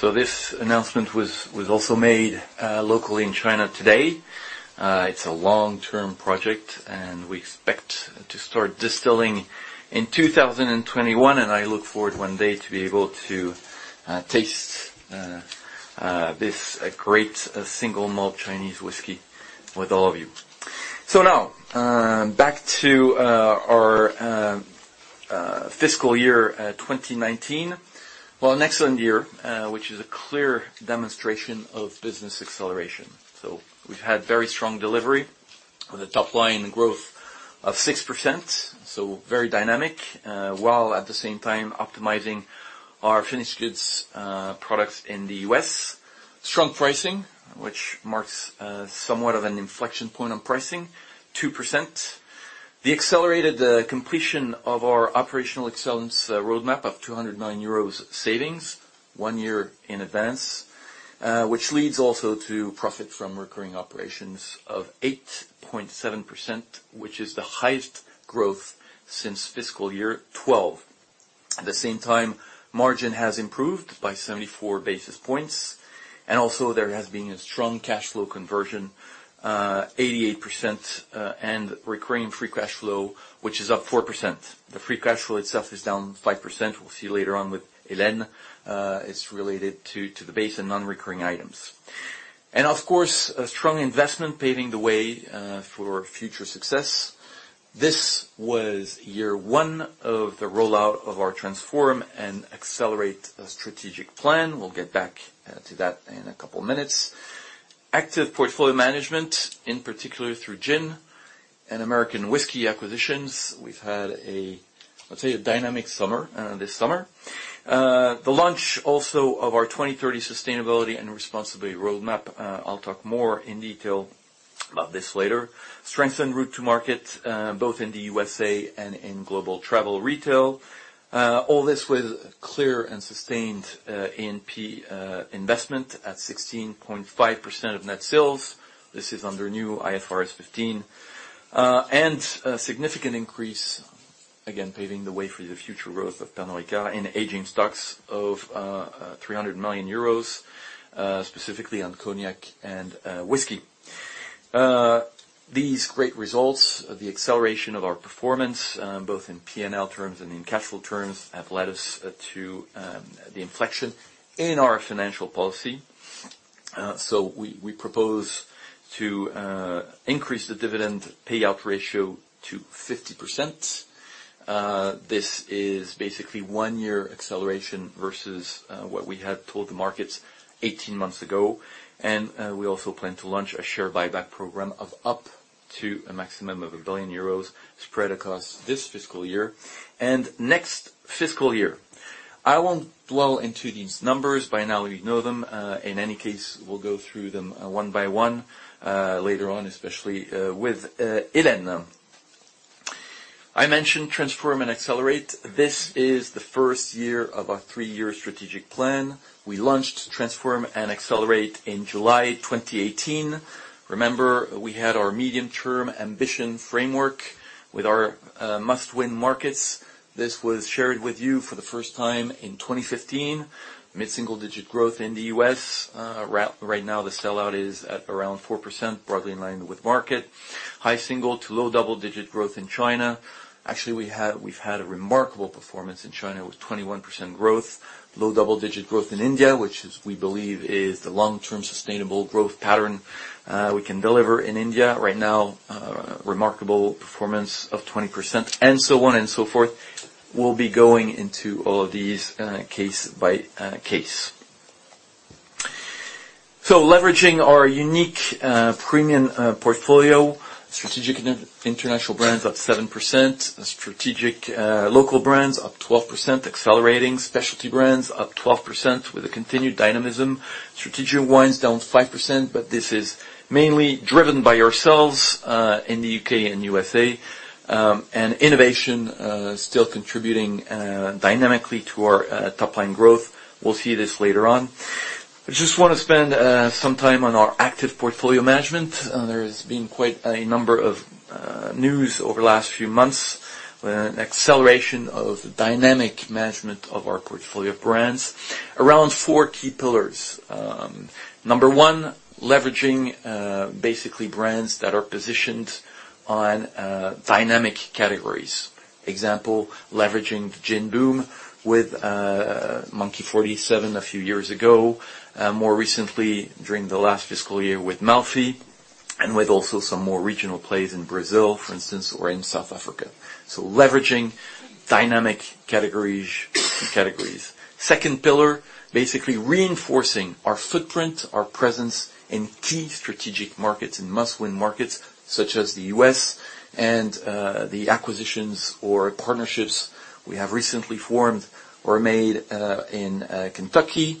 This announcement was also made locally in China today. It's a long-term project, and we expect to start distilling in 2021, and I look forward one day to be able to taste this great single-malt Chinese whiskey with all of you. Now, back to our fiscal year 2019. Well, an excellent year, which is a clear demonstration of business acceleration. We've had very strong delivery, with a top-line growth of 6%, so very dynamic, while at the same time optimizing our finished goods products in the U.S. Strong pricing, which marks somewhat of an inflection point on pricing, 2%. The accelerated completion of our operational excellence roadmap of 209 euros savings one year in advance, which leads also to profit from recurring operations of 8.7%, which is the highest growth since fiscal year 2012. At the same time, margin has improved by 74 basis points, and also there has been a strong cash flow conversion, 88%, and recurring free cash flow, which is up 4%. The free cash flow itself is down 5%. We'll see later on with Hélène. It's related to the base and non-recurring items. Of course, a strong investment paving the way for future success. This was year one of the rollout of our Transform and Accelerate strategic plan. We'll get back to that in a couple of minutes. Active portfolio management, in particular through gin and American whiskey acquisitions. We've had, let's say, a dynamic summer this summer. The launch also of our 2030 Sustainability and Responsibility Roadmap. I'll talk more in detail about this later. Strengthen route to market, both in the U.S.A. and in global travel retail. All this with clear and sustained A&P investment at 16.5% of net sales. This is under new IFRS 15. A significant increase, again, paving the way for the future growth of Pernod Ricard in aging stocks of 300 million euros, specifically on cognac and whiskey. These great results, the acceleration of our performance, both in P&L terms and in cash flow terms, have led us to the inflection in our financial policy. We propose to increase the dividend payout ratio to 50%. This is basically one-year acceleration versus what we had told the markets 18 months ago. We also plan to launch a share buyback program of up to a maximum of 1 billion euros spread across this fiscal year and next fiscal year. I won't dwell into these numbers. By now, we know them. In any case, we'll go through them one by one later on, especially with Hélène. I mentioned Transform and Accelerate. This is the first year of our three-year strategic plan. We launched Transform and Accelerate in July 2018. Remember, we had our medium-term ambition framework with our must-win markets. This was shared with you for the first time in 2015. Mid-single-digit growth in the U.S. Right now, the sellout is at around 4%, broadly in line with market. High single to low double-digit growth in China. Actually, we've had a remarkable performance in China with 21% growth. Low double-digit growth in India, which we believe is the long-term sustainable growth pattern we can deliver in India. Right now, remarkable performance of 20% and so on and so forth. We'll be going into all of these case by case. Leveraging our unique premium portfolio. Strategic international brands up 7%. Strategic local brands up 12%, accelerating. Specialty brands up 12% with a continued dynamism. Strategic wines down 5%. This is mainly driven by ourselves in the U.K. and U.S.A. Innovation still contributing dynamically to our top-line growth. We'll see this later on. I just want to spend some time on our active portfolio management. There has been quite a number of news over the last few months. An acceleration of dynamic management of our portfolio brands around four key pillars. Number 1, leveraging basically brands that are positioned on dynamic categories. Example, leveraging the gin boom with Monkey 47 a few years ago. More recently, during the last fiscal year with Malfy and with also some more regional plays in Brazil, for instance, or in South Africa. Leveraging dynamic categories. Second pillar, basically reinforcing our footprint, our presence in key strategic markets and must-win markets such as the U.S. and the acquisitions or partnerships we have recently formed or made in Kentucky,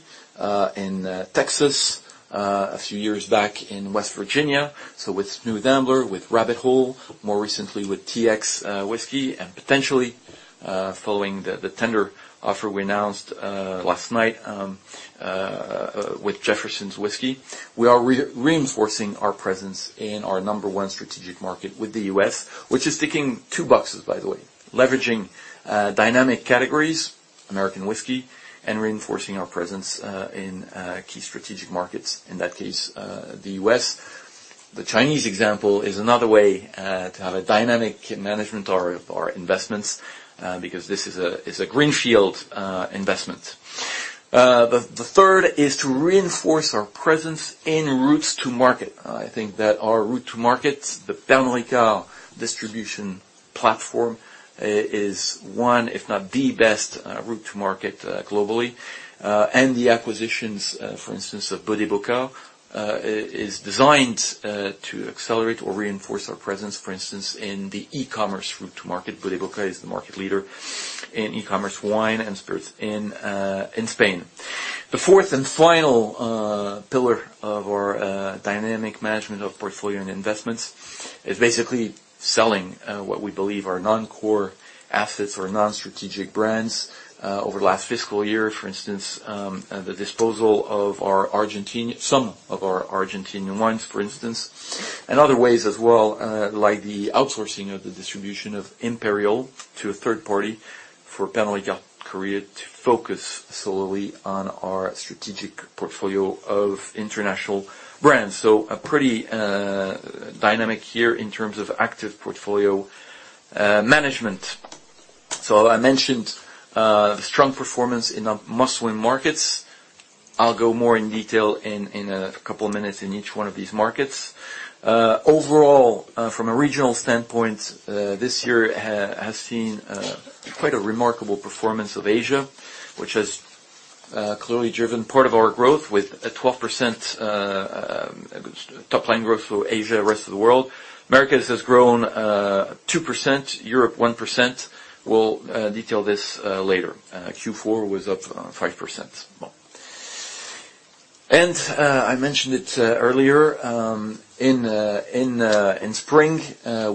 in Texas, a few years back in West Virginia. With Smooth Ambler, with Rabbit Hole, more recently with TX Whiskey, and potentially following the tender offer we announced last night with Jefferson's Bourbon. We are reinforcing our presence in our number one strategic market with the U.S., which is ticking two boxes, by the way. Leveraging dynamic categories, American Whiskey, and reinforcing our presence in key strategic markets, in that case, the U.S. The Chinese example is another way to have a dynamic management of our investments, because this is a greenfield investment. The third is to reinforce our presence in routes to market. I think that our route to market, the Pernod Ricard distribution platform, is one, if not the best route to market globally. The acquisitions, for instance, of Bodeboca is designed to accelerate or reinforce our presence, for instance, in the e-commerce route to market. Bodeboca is the market leader in e-commerce wine and spirits in Spain. The fourth and final pillar of our dynamic management of portfolio and investments is basically selling what we believe are non-core assets or non-strategic brands. Over last fiscal year, for instance, the disposal of some of our Argentinian wines, for instance. Other ways as well, like the outsourcing of the distribution of Imperial to a third party for Pernod Ricard Korea to focus solely on our strategic portfolio of international brands. A pretty dynamic year in terms of active portfolio management. I mentioned the strong performance in our Must Win Markets. I'll go more in detail in a couple of minutes in each one of these markets. Overall, from a regional standpoint, this year has seen quite a remarkable performance of Asia, which has clearly driven part of our growth with a 12% top-line growth for Asia, rest of the world. Americas has grown 2%, Europe 1%. We'll detail this later. Q4 was up 5%. I mentioned it earlier, in spring,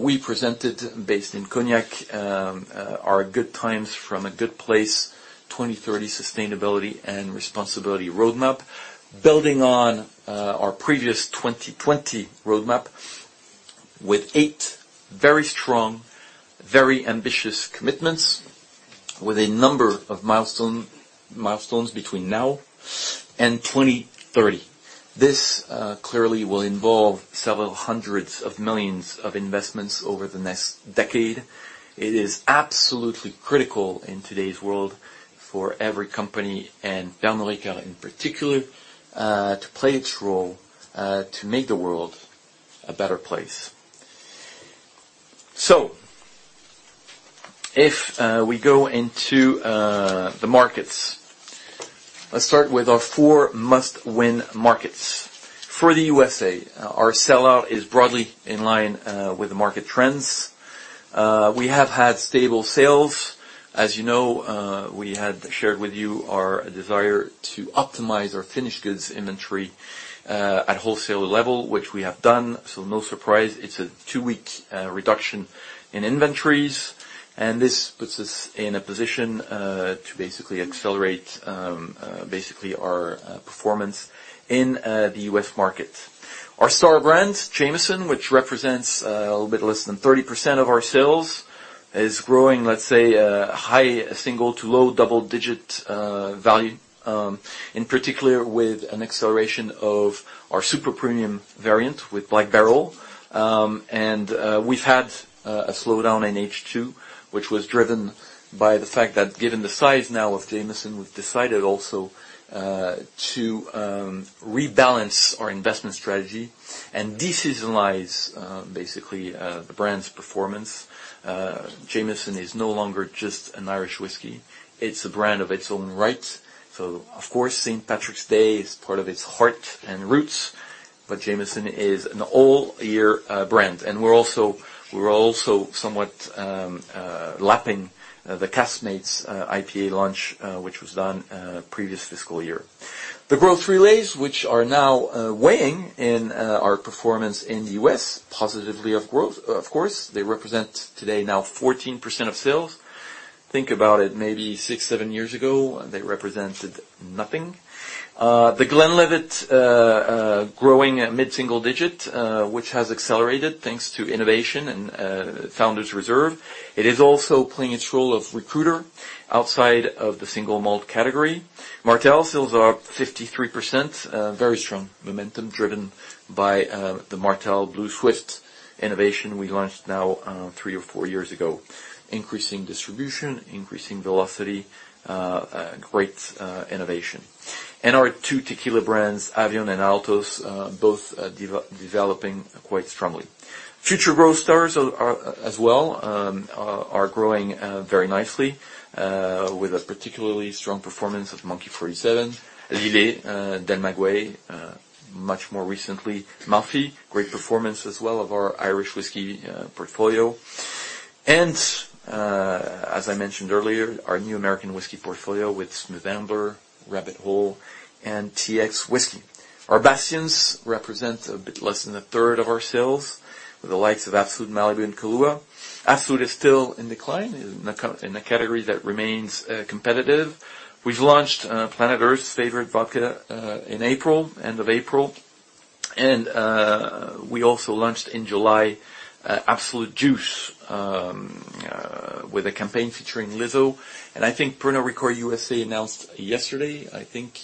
we presented based in Cognac, our Good Times from a Good Place 2030 Sustainability and Responsibility Roadmap. Building on our previous 2020 roadmap with eight very strong, very ambitious commitments with a number of milestones between now and 2030. This clearly will involve several hundreds of millions of investments over the next decade. It is absolutely critical in today's world for every company, and Pernod Ricard in particular, to play its role, to make the world a better place. If we go into the markets, let's start with our four Must Win Markets. For the U.S., our sell-out is broadly in line with the market trends. We have had stable sales. As you know, we had shared with you our desire to optimize our finished goods inventory at wholesale level, which we have done. No surprise, it's a two-week reduction in inventories, and this puts us in a position to basically accelerate our performance in the U.S. market. Our star brand, Jameson, which represents a little bit less than 30% of our sales, is growing, let's say, a high single to low double-digit value. In particular, with an acceleration of our super premium variant with Black Barrel. We've had a slowdown in H2, which was driven by the fact that given the size now of Jameson, we've decided also to rebalance our investment strategy and de-seasonalize basically, the brand's performance. Jameson is no longer just an Irish whiskey. It's a brand of its own right. Of course, St. Patrick's Day is part of its heart and roots, but Jameson is an all-year brand. We're also somewhat lapping the Caskmates IPA launch, which was done previous fiscal year. The growth relays, which are now weighing in our performance in the U.S. positively of growth, of course. They represent today now 14% of sales. Think about it, maybe six, seven years ago, they represented nothing. The Glenlivet growing at mid-single digit, which has accelerated thanks to innovation and Founder's Reserve. It is also playing its role of recruiter outside of the single malt category. Martell sales are up 53%, very strong momentum driven by the Martell Blue Swift innovation we launched now three or four years ago. Increasing distribution, increasing velocity, great innovation. Our two tequila brands, Avión and Altos, both developing quite strongly. Future growth stars as well are growing very nicely, with a particularly strong performance of Monkey 47, Lillet, Del Maguey, much more recently, Malfy. Great performance as well of our Irish whiskey portfolio. As I mentioned earlier, our new American whiskey portfolio with Smooth Ambler, Rabbit Hole, and TX Whiskey. Our bastions represent a bit less than a third of our sales, with the likes of Absolut, Malibu, and Kahlúa. Absolut is still in decline in a category that remains competitive. We've launched Planet Earth's Favorite Vodka in April, end of April. We also launched in July, Absolut Juice, with a campaign featuring Lizzo. I think Pernod Ricard USA announced yesterday. I think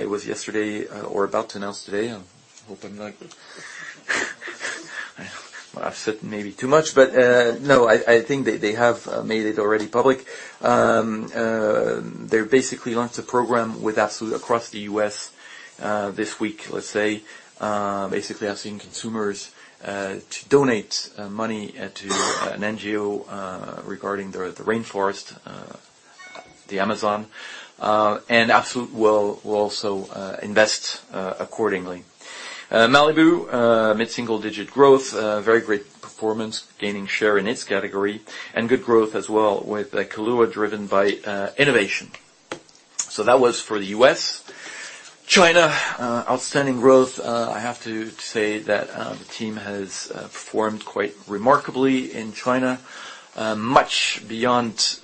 it was yesterday or about to announce today. I hope I'm right. I've said maybe too much, but no, I think they have made it already public. They basically launched a program with Absolut across the U.S. this week, let's say. Basically asking consumers to donate money to an NGO regarding the rainforest, the Amazon, and Absolut will also invest accordingly. Malibu, mid-single digit growth, very great performance, gaining share in its category, and good growth as well with Kahlúa driven by innovation. That was for the U.S. China, outstanding growth. I have to say that the team has performed quite remarkably in China, much beyond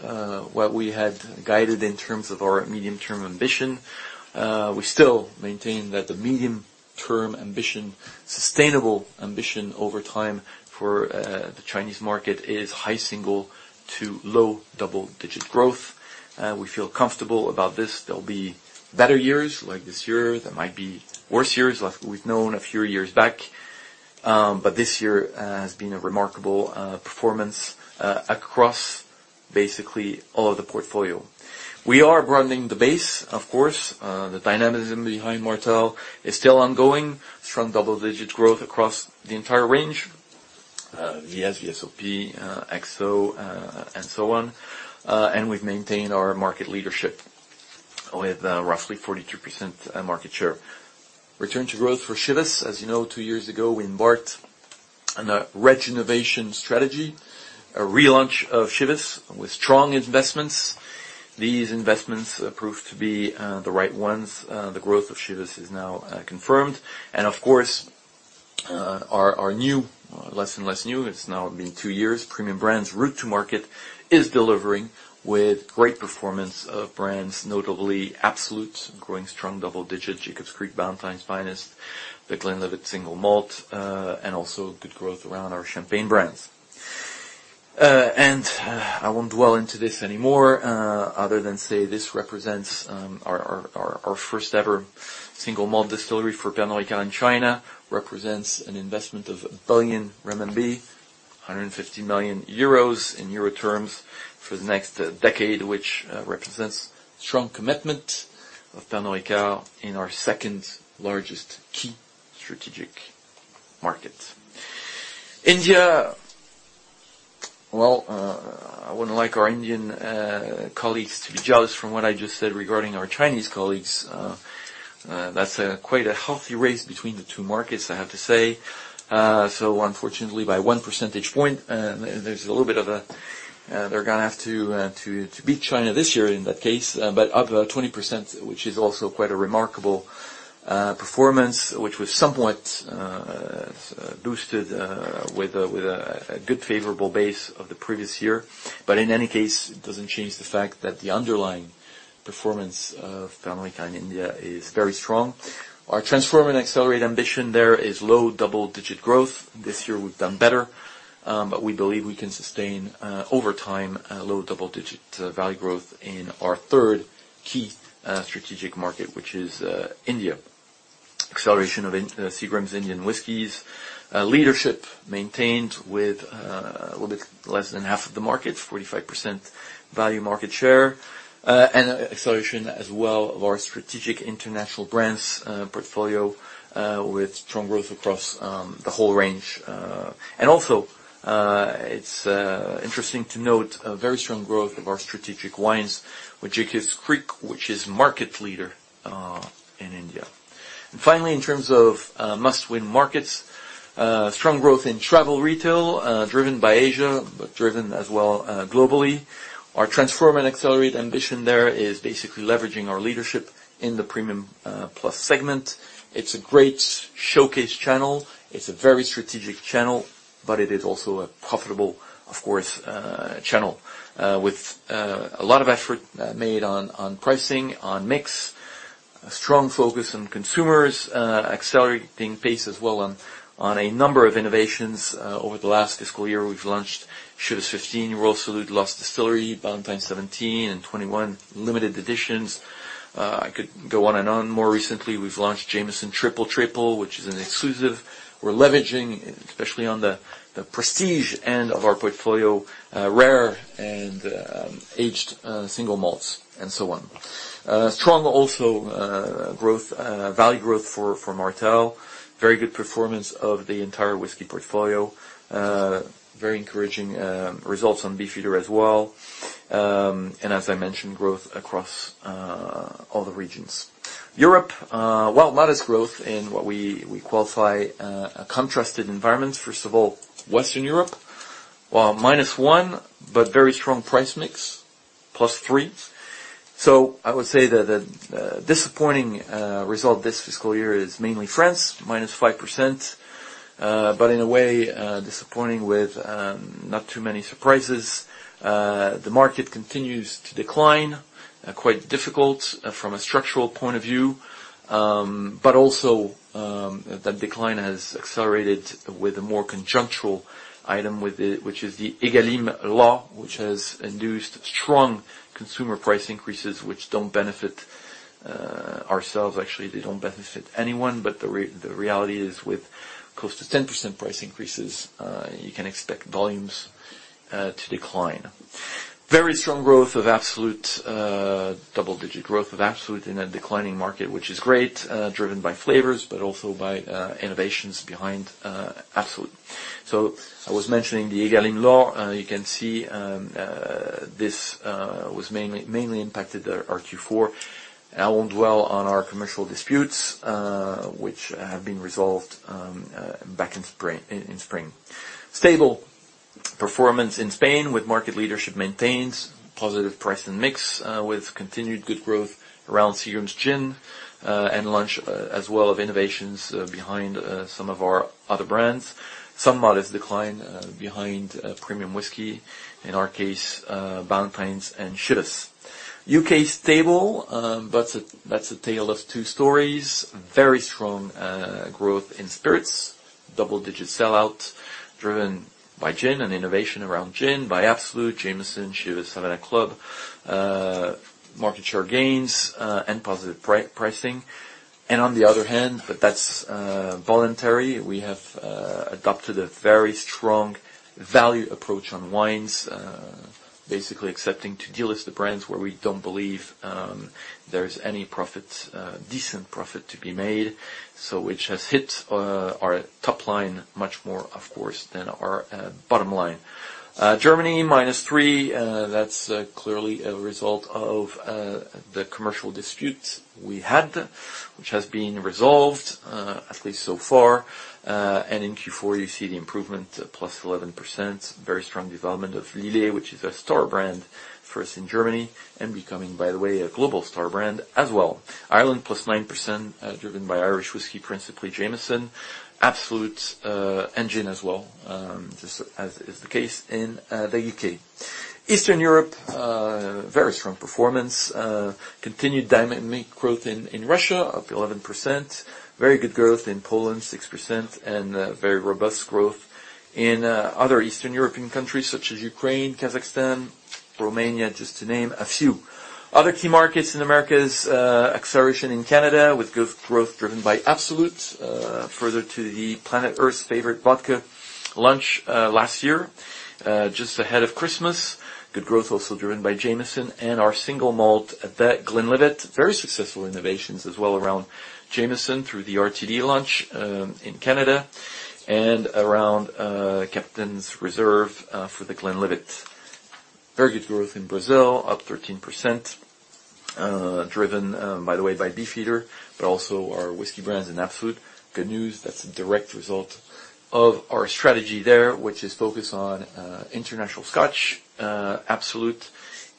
what we had guided in terms of our medium-term ambition. We still maintain that the medium-term ambition, sustainable ambition over time for the Chinese market, is high single to low double-digit growth. We feel comfortable about this. There'll be better years like this year, there might be worse years like we've known a few years back. This year has been a remarkable performance across basically all of the portfolio. We are broadening the base, of course. The dynamism behind Martell is still ongoing. Strong double-digit growth across the entire range. VS, VSOP, XO, and so on. We've maintained our market leadership with roughly 42% market share. Return to growth for Chivas. As you know, two years ago, we embarked on a regenovation strategy, a relaunch of Chivas with strong investments. These investments proved to be the right ones. The growth of Chivas is now confirmed. Of course, our new, less and less new, it's now been two years, premium brands route to market is delivering with great performance of brands, notably Absolut, growing strong double digits, Jacob's Creek, Ballantine's Finest, The Glenlivet Single Malt, and also good growth around our champagne brands. I won't dwell into this anymore, other than say this represents our first-ever single malt distillery for Pernod Ricard in China. Represents an investment of 1 billion renminbi, 150 million euros in euro terms for the next decade, which represents strong commitment of Pernod Ricard in our second largest key strategic market. India. Well, I wouldn't like our Indian colleagues to be jealous from what I just said regarding our Chinese colleagues. That's quite a healthy race between the two markets, I have to say. Unfortunately, by one percentage point, they're going to have to beat China this year in that case, but up 20%, which is also quite a remarkable performance, which was somewhat boosted with a good favorable base of the previous year. In any case, it doesn't change the fact that the underlying performance of Pernod Ricard in India is very strong. Our Transform and Accelerate ambition there is low double-digit growth. This year we've done better, but we believe we can sustain, over time, low double-digit value growth in our third key strategic market, which is India. Acceleration of Seagram's Indian whiskeys. Leadership maintained with a little bit less than half of the market, 45% value market share. Acceleration as well of our strategic international brands portfolio, with strong growth across the whole range. It's interesting to note, a very strong growth of our strategic wines with Jacob's Creek, which is market leader in India. Finally, in terms of must-win markets, strong growth in travel retail, driven by Asia, but driven as well globally. Our Transform and Accelerate ambition there is basically leveraging our leadership in the premium plus segment. It's a great showcase channel. It's a very strategic channel, but it is also a profitable, of course, channel. With a lot of effort made on pricing, on mix, a strong focus on consumers, accelerating pace as well on a number of innovations. Over the last fiscal year, we've launched Chivas 15-year-old Royal Salute The Lost Blend, Ballantine's 17 and 21 limited editions. I could go on and on. More recently, we've launched Jameson Triple Triple, which is an exclusive. We're leveraging, especially on the prestige end of our portfolio, rare and aged single malts and so on. Strong also value growth for Martell. Very good performance of the entire whiskey portfolio. Very encouraging results on Beefeater as well. As I mentioned, growth across all the regions. Europe. Well, modest growth in what we qualify a contrasted environment. First of all, Western Europe. While -1%, but very strong price mix, +3%. I would say the disappointing result this fiscal year is mainly France, -5%, but in a way, disappointing with not too many surprises. The market continues to decline. Quite difficult from a structural point of view. Also, that decline has accelerated with a more conjunctural item which is the EGalim law, which has induced strong consumer price increases, which don't benefit ourselves. Actually, they don't benefit anyone. The reality is with close to 10% price increases, you can expect volumes to decline. Very strong growth of Absolut, double-digit growth of Absolut in a declining market, which is great, driven by flavors, but also by innovations behind Absolut. I was mentioning the EGalim law. You can see this mainly impacted our Q4. I won't dwell on our commercial disputes, which have been resolved back in spring. Stable performance in Spain with market leadership maintained, positive price and mix, with continued good growth around Seagram's Gin and launch as well of innovations behind some of our other brands. Some modest decline behind premium whiskey, in our case, Ballantine's and Chivas. U.K. stable. That's a tale of two stories. Very strong growth in spirits. Double-digit sell-out driven by gin and innovation around gin by Absolut, Jameson, Chivas, Havana Club. Market share gains and positive pricing. On the other hand, but that's voluntary, we have adopted a very strong value approach on wines. Basically accepting to delist the brands where we don't believe there's any decent profit to be made. Which has hit our top line much more, of course, than our bottom line. Germany, minus three. That's clearly a result of the commercial disputes we had, which has been resolved, at least so far. In Q4, you see the improvement, plus 11%. Very strong development of Lillet, which is a star brand for us in Germany and becoming, by the way, a global star brand as well. Ireland, plus 9%, driven by Irish whiskey, principally Jameson, Absolut, and gin as well, just as is the case in the U.K. Eastern Europe, very strong performance. Continued dynamic growth in Russia, up 11%. Very good growth in Poland, 6%, and very robust growth in other Eastern European countries such as Ukraine, Kazakhstan, Romania, just to name a few. Other key markets in Americas, acceleration in Canada with good growth driven by Absolut. Further to the Planet Earth's Favorite Vodka launch last year just ahead of Christmas. Good growth also driven by Jameson and our single malt at that, Glenlivet. Very successful innovations as well around Jameson through the RTD launch in Canada and around Captain's Reserve for The Glenlivet. Very good growth in Brazil, up 13%, driven by the way by Ricard, but also our whiskey brands and Absolut. Good news, that's a direct result of our strategy there, which is focused on international Scotch, Absolut,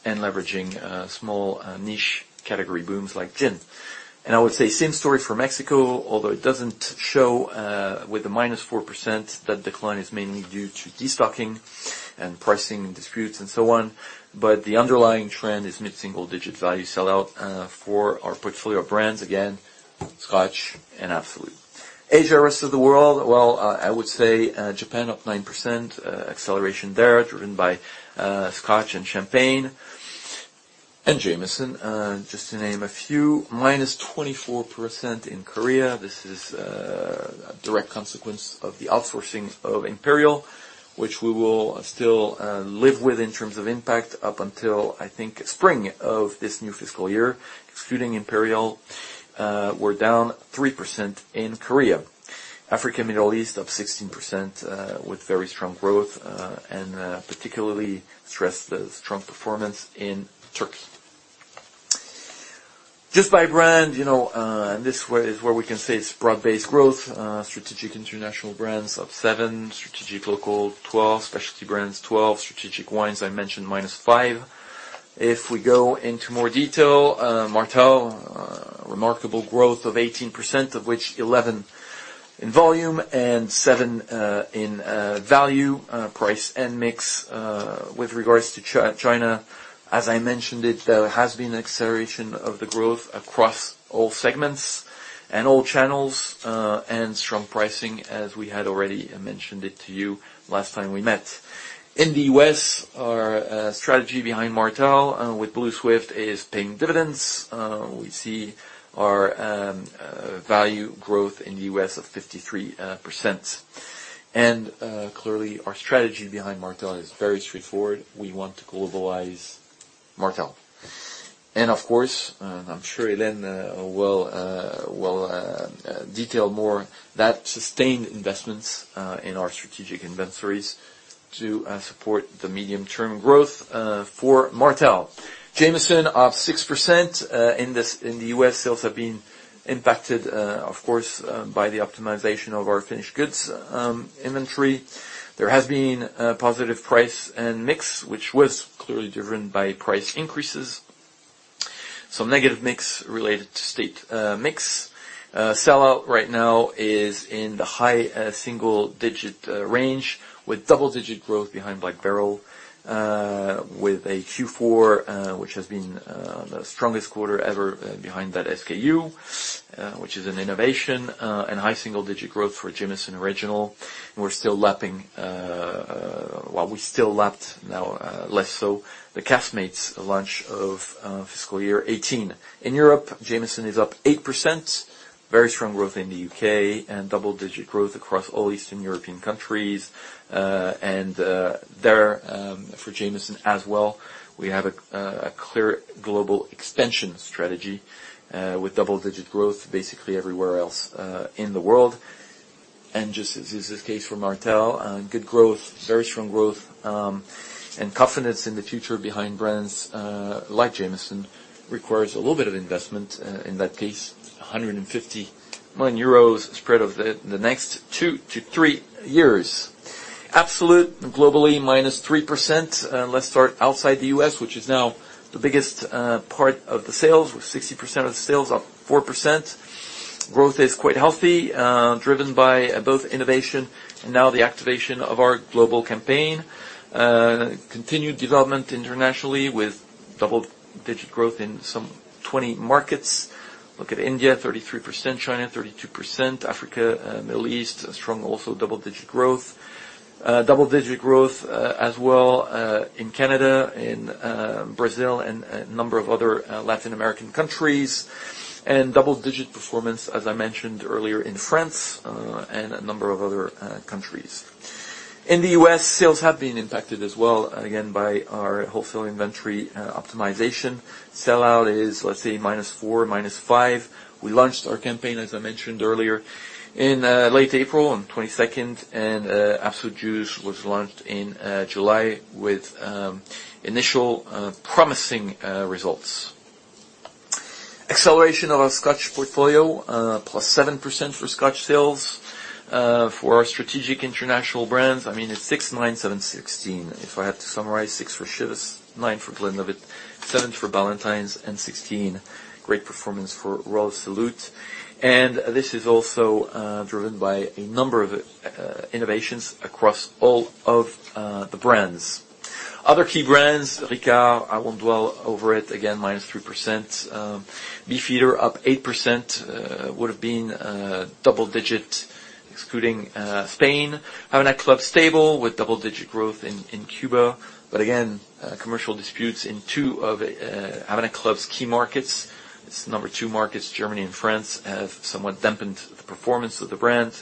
and leveraging small niche category booms like gin. I would say same story for Mexico, although it doesn't show with the -4%. That decline is mainly due to destocking and pricing disputes and so on. The underlying trend is mid-single digit value sell-out for our portfolio of brands, again, Scotch and Absolut. Asia, rest of the world. I would say Japan up 9%, acceleration there driven by Scotch and Champagne and Jameson, just to name a few. -24% in Korea. This is a direct consequence of the outsourcing of Imperial, which we will still live with in terms of impact up until, I think, spring of this new fiscal year. Excluding Imperial, we're down 3% in Korea. Africa, Middle East up 16% with very strong growth, and particularly stress the strong performance in Turkey. Just by brand, this is where we can say it's broad-based growth. Strategic international brands up 7%, strategic local 12%, specialty brands 12%, strategic wines, I mentioned -5%. If we go into more detail, Martell, remarkable growth of 18%, of which 11% in volume and 7% in value, price, and mix. With regards to China, as I mentioned it, there has been an acceleration of the growth across all segments and all channels, and strong pricing as we had already mentioned it to you last time we met. In the U.S., our strategy behind Martell with Blue Swift is paying dividends. We see our value growth in the U.S. of 53%. Clearly, our strategy behind Martell is very straightforward. We want to globalize Martell. Of course, I'm sure Hélène will detail more that sustained investments in our strategic inventories to support the medium-term growth for Martell. Jameson up 6%. In the U.S., sales have been impacted, of course, by the optimization of our finished goods inventory. There has been a positive price and mix, which was clearly driven by price increases. Negative mix related to state mix. Sellout right now is in the high single-digit range with double-digit growth behind Black Barrel, with a Q4 which has been the strongest quarter ever behind that SKU, which is an innovation, and high single-digit growth for Jameson Original. We still lapped, now less so, the Caskmates launch of fiscal year 2018. In Europe, Jameson is up 8%, very strong growth in the U.K., and double-digit growth across all Eastern European countries. There, for Jameson as well, we have a clear global expansion strategy with double-digit growth basically everywhere else in the world. Just as is the case for Martell, good growth, very strong growth, and confidence in the future behind brands like Jameson requires a little bit of investment. In that case, 150 million euros spread over the next two to three years. Absolut, globally minus 3%. Let's start outside the U.S., which is now the biggest part of the sales, with 60% of the sales up 4%. Growth is quite healthy, driven by both innovation and now the activation of our global campaign. Continued development internationally with double-digit growth in some 20 markets. Look at India, 33%, China 32%, Africa, Middle East, strong also double-digit growth. Double-digit growth as well in Canada, in Brazil, and a number of other Latin American countries. Double-digit performance, as I mentioned earlier, in France and a number of other countries. In the U.S., sales have been impacted as well, again, by our wholesale inventory optimization. Sellout is, let's say, -4%, -5%. We launched our campaign, as I mentioned earlier, in late April on the 22nd, and Absolut Juice was launched in July with initial promising results. Acceleration of our Scotch portfolio, +7% for Scotch sales. For our strategic international brands, it's 6, 9, 7, 16. If I had to summarize, 6 for Chivas, 9 for Glenlivet, 7 for Ballantine's, and 16, great performance for Royal Salute. This is also driven by a number of innovations across all of the brands. Other key brands, Ricard, I won't dwell over it, again, -3%. Beefeater up 8%, would've been double-digit excluding Spain. Havana Club stable with double-digit growth in Cuba, but again, commercial disputes in two of Havana Club's key markets. Its number 2 markets, Germany and France, have somewhat dampened the performance of the brand.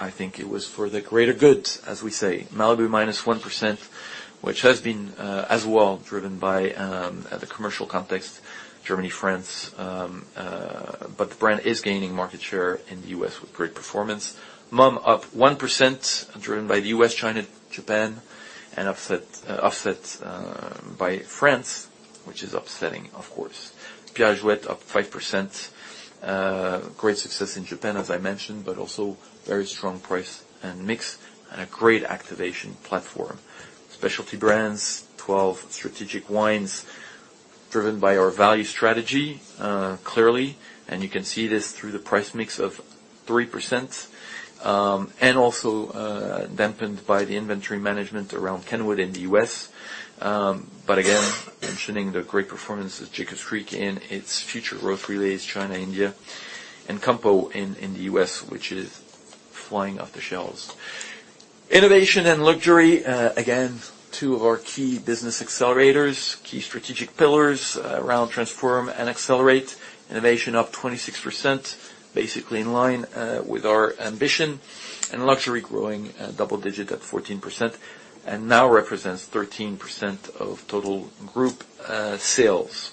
I think it was for the greater good, as we say. Malibu, -1%, which has been, as well, driven by the commercial context, Germany, France. The brand is gaining market share in the U.S. with great performance. Mumm +1%, driven by the U.S., China, Japan, and offset by France, which is upsetting, of course. Perrier-Jouët +5%. Great success in Japan, as I mentioned. Also very strong price and mix and a great activation platform. Specialty brands, 12 strategic wines driven by our value strategy, clearly. You can see this through the price mix of 3%, and also dampened by the inventory management around Kenwood in the U.S. Again, mentioning the great performance of Jacob's Creek in its future growth relays, China, India, and Campo in the U.S., which is flying off the shelves. Innovation and luxury, again, two of our key business accelerators, key strategic pillars around Transform and Accelerate. Innovation up 26%, basically in line with our ambition. Luxury growing double digit at 14% and now represents 13% of total group sales.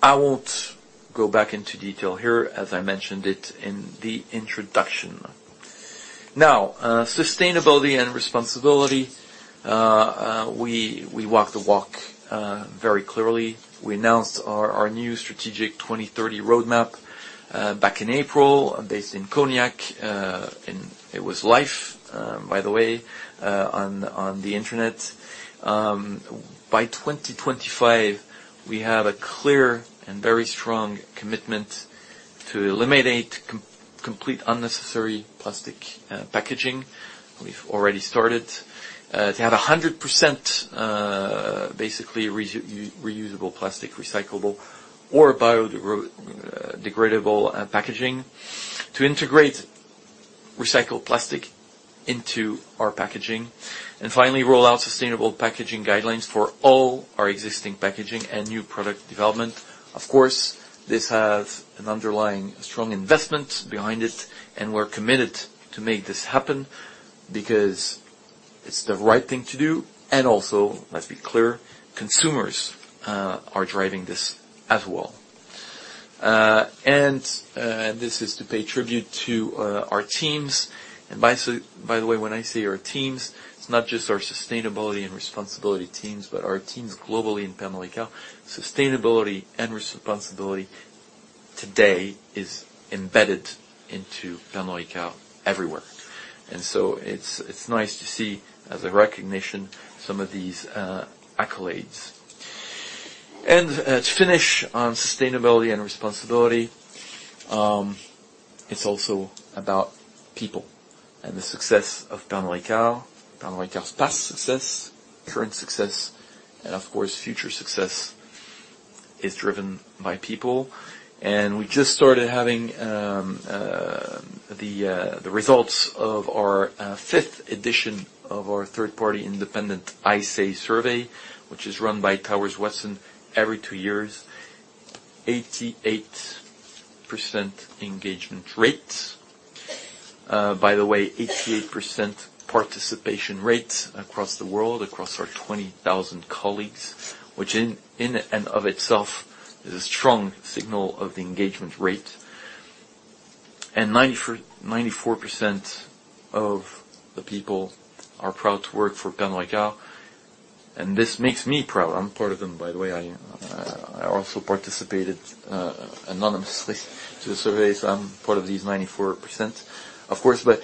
I won't go back into detail here, as I mentioned it in the introduction. Now, Sustainability and Responsibility. We walk the walk very clearly. We announced our new strategic 2030 Roadmap back in April, based in Cognac. It was live, by the way, on the internet. By 2025, we have a clear and very strong commitment to eliminate complete unnecessary plastic packaging. We've already started. To have 100%, basically, reusable plastic, recyclable or biodegradable packaging. To integrate recycled plastic into our packaging. Finally, roll out sustainable packaging guidelines for all our existing packaging and new product development. Of course, this has an underlying strong investment behind it, and we're committed to make this happen because it's the right thing to do. Also, let's be clear, consumers are driving this as well. This is to pay tribute to our teams. By the way, when I say our teams, it's not just our sustainability and responsibility teams, but our teams globally in Pernod Ricard. Sustainability and responsibility today is embedded into Pernod Ricard everywhere. It's nice to see, as a recognition, some of these accolades. To finish on sustainability and responsibility, it's also about people and the success of Pernod Ricard. Pernod Ricard's past success, current success, and of course, future success, is driven by people. We just started having the results of our fifth edition of our third-party independent iSay survey, which is run by Towers Watson every two years. 88% engagement rates. By the way, 88% participation rates across the world, across our 20,000 colleagues, which in and of itself, is a strong signal of the engagement rate. 94% of the people are proud to work for Pernod Ricard, and this makes me proud. I'm part of them, by the way. I also participated anonymously to the survey. I'm part of these 94%, of course, but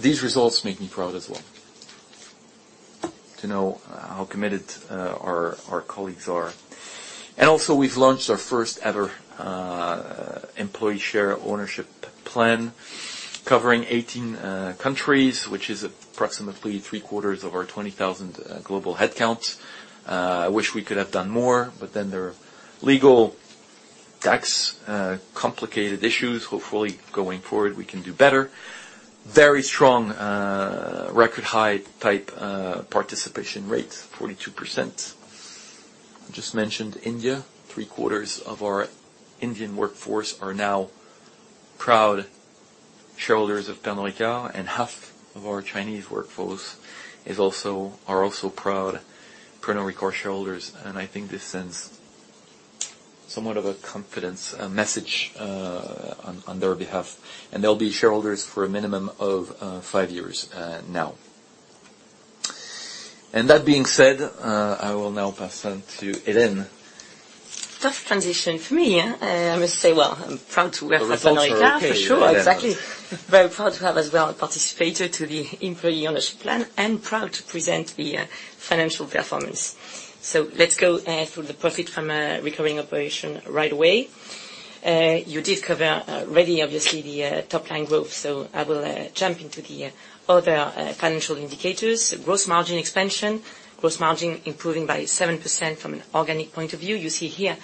these results make me proud as well to know how committed our colleagues are. Also, we've launched our first-ever employee share ownership plan covering 18 countries, which is approximately three-quarters of our 20,000 global headcounts. I wish we could have done more, but then there are legal, tax, complicated issues. Hopefully, going forward, we can do better. Very strong, record high-type, participation rates, 42%. I just mentioned India. Three-quarters of our Indian workforce are now proud shareholders of Pernod Ricard, and half of our Chinese workforce are also proud Pernod Ricard shareholders. I think this sends somewhat of a confidence message on their behalf, and they'll be shareholders for a minimum of five years now. That being said, I will now pass on to Hélène. Tough transition for me. I must say, well, I'm proud to work for Pernod Ricard. The results are okay. for sure. Exactly. Very proud to have as well participated to the employee ownership plan, and proud to present the financial performance. Let's go through the profit from a recurring operation right away. You did cover already, obviously, the top-line growth, so I will jump into the other financial indicators. Gross margin expansion. Gross margin improving by 7% from an organic point of view. You see here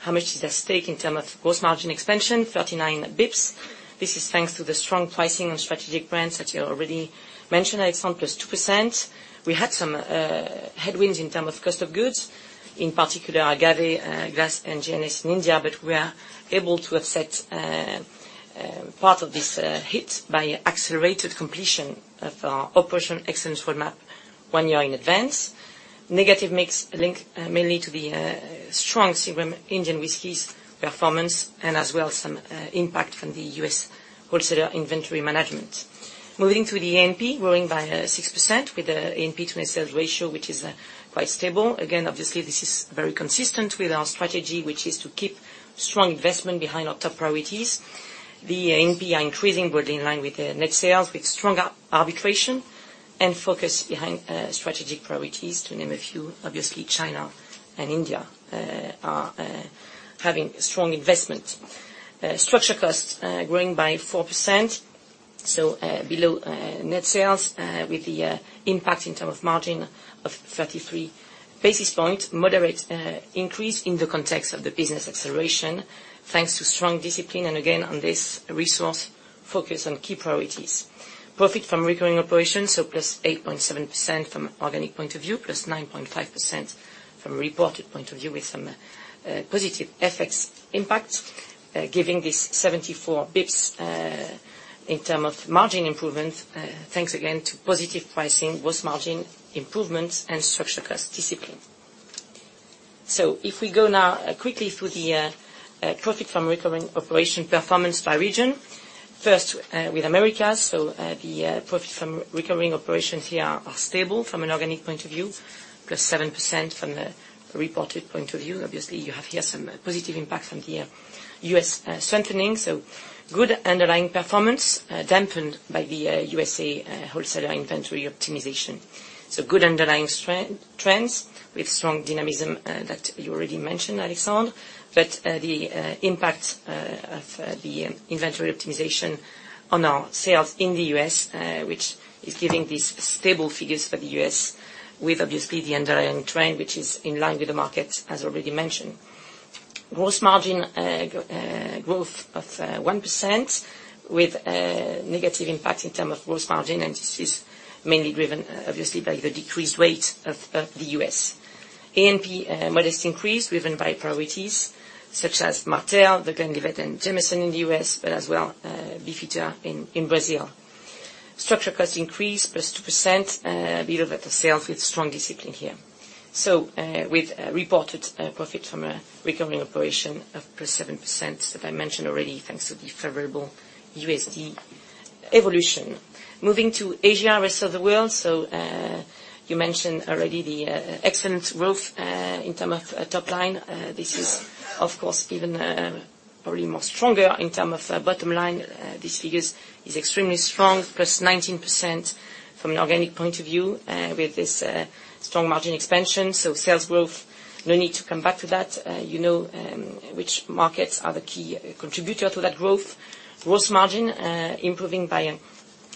how much is at stake in term of gross margin expansion, 39 basis points. This is thanks to the strong pricing on strategic brands that you already mentioned, Alexandre, plus 2%. We had some headwinds in term of cost of goods, in particular agave glass and GNS in India, but we are able to offset part of this hit by accelerated completion of our operational excellence roadmap one year in advance. Negative mix linked mainly to the strong Seagram's Indian whiskeys performance, as well as some impact from the U.S. wholesaler inventory management. Moving to the A&P, growing by 6% with the A&P to net sales ratio, which is quite stable. Obviously, this is very consistent with our strategy, which is to keep strong investment behind our top priorities. The A&P are increasing broadly in line with net sales, with strong arbitration and focus behind strategic priorities. To name a few, obviously, China and India are having strong investment. Structure costs are growing by 4% below net sales, with the impact in terms of margin of 33 basis points. Moderate increase in the context of the business acceleration, thanks to strong discipline, again, on this resource, focus on key priorities. Profit from recurring operations, +8.7% from an organic point of view, +9.5% from a reported point of view, with some positive FX impact, giving this 74 basis points, in terms of margin improvement, thanks again to positive pricing, gross margin improvements, and structural cost discipline. If we go now quickly through the profit from recurring operations performance by region, first with Americas. The profit from recurring operations here is stable from an organic point of view, +7% from the reported point of view. Obviously, you have here some positive impact from the U.S. strengthening. Good underlying performance dampened by the U.S. wholesaler inventory optimization. Good underlying trends with strong dynamism that you already mentioned, Alexandre. The impact of the inventory optimization on our sales in the U.S., which is giving these stable figures for the U.S. with, obviously, the underlying trend, which is in line with the market, as already mentioned. Gross margin growth of 1% with a negative impact in terms of gross margin. This is mainly driven, obviously, by the decreased weight of the U.S. A&P modest increase driven by priorities such as Martell, The Glenlivet, and Jameson in the U.S., but as well, Beefeater in Brazil. Structural cost increase, +2%, a bit over the sales with strong discipline here. With reported profit from a recurring operation of +7% that I mentioned already, thanks to the favorable USD evolution. Moving to Asia, rest of the world. You mentioned already the excellent growth in terms of top line. This is, of course, even probably more stronger in term of bottom line. This figure is extremely strong, +19% from an organic point of view, with this strong margin expansion. Sales growth, no need to come back to that. You know which markets are the key contributor to that growth. Gross margin improving by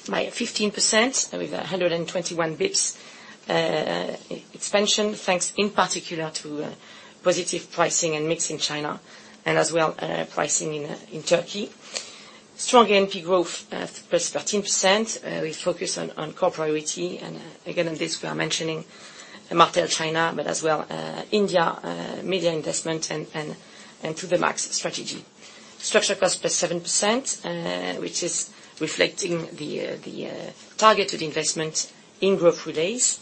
15% with 121 basis points expansion, thanks in particular to positive pricing and mix in China and as well pricing in Turkey. Strong A&P growth, +13%, with focus on core priority. Again, on this, we are mentioning Martell China, but as well India media investment and to the max strategy. Structural cost +7%, which is reflecting the targeted investment in growth relays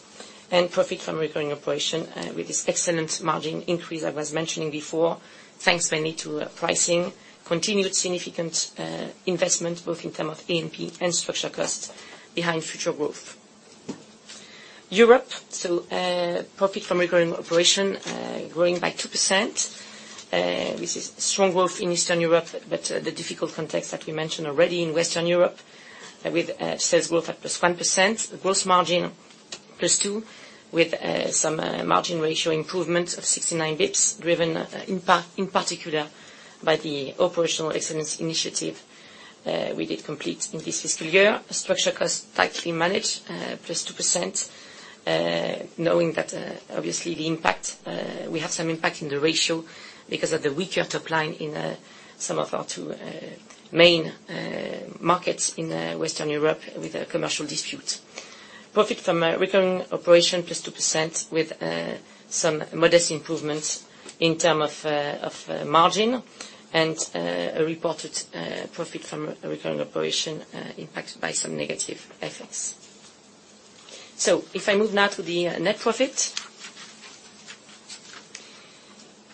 and profit from recurring operation with this excellent margin increase I was mentioning before, thanks mainly to pricing, continued significant investment both in term of A&P and structural cost behind future growth. Profit from recurring operation growing by +2%, with strong growth in Eastern Europe, but the difficult context that we mentioned already in Western Europe with sales growth at +1%, gross margin +2%, with some margin ratio improvement of 69 basis points, driven in particular by the operational excellence initiative we did complete in this fiscal year. Structural costs tightly managed, +2%, knowing that obviously we have some impact in the ratio because of the weaker top line in some of our two main markets in Western Europe with a commercial dispute. Profit from recurring operations +2% with some modest improvements in terms of margin. A reported profit from recurring operations impacted by some negative FX. If I move now to the net profit.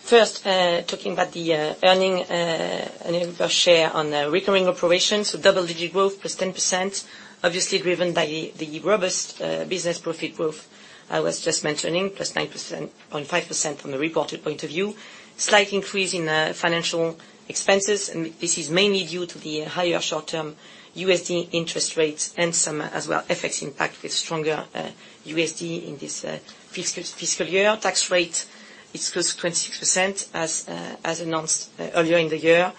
First, talking about the earnings per share on the recurring operations, double-digit growth, +10%, obviously driven by the robust business profit growth I was just mentioning, +9.5% from the reported point of view. Slight increase in financial expenses. This is mainly due to the higher short-term USD interest rates and some as well FX impact with stronger USD in this fiscal year. Tax rate, it is close to 26% as announced earlier in the year,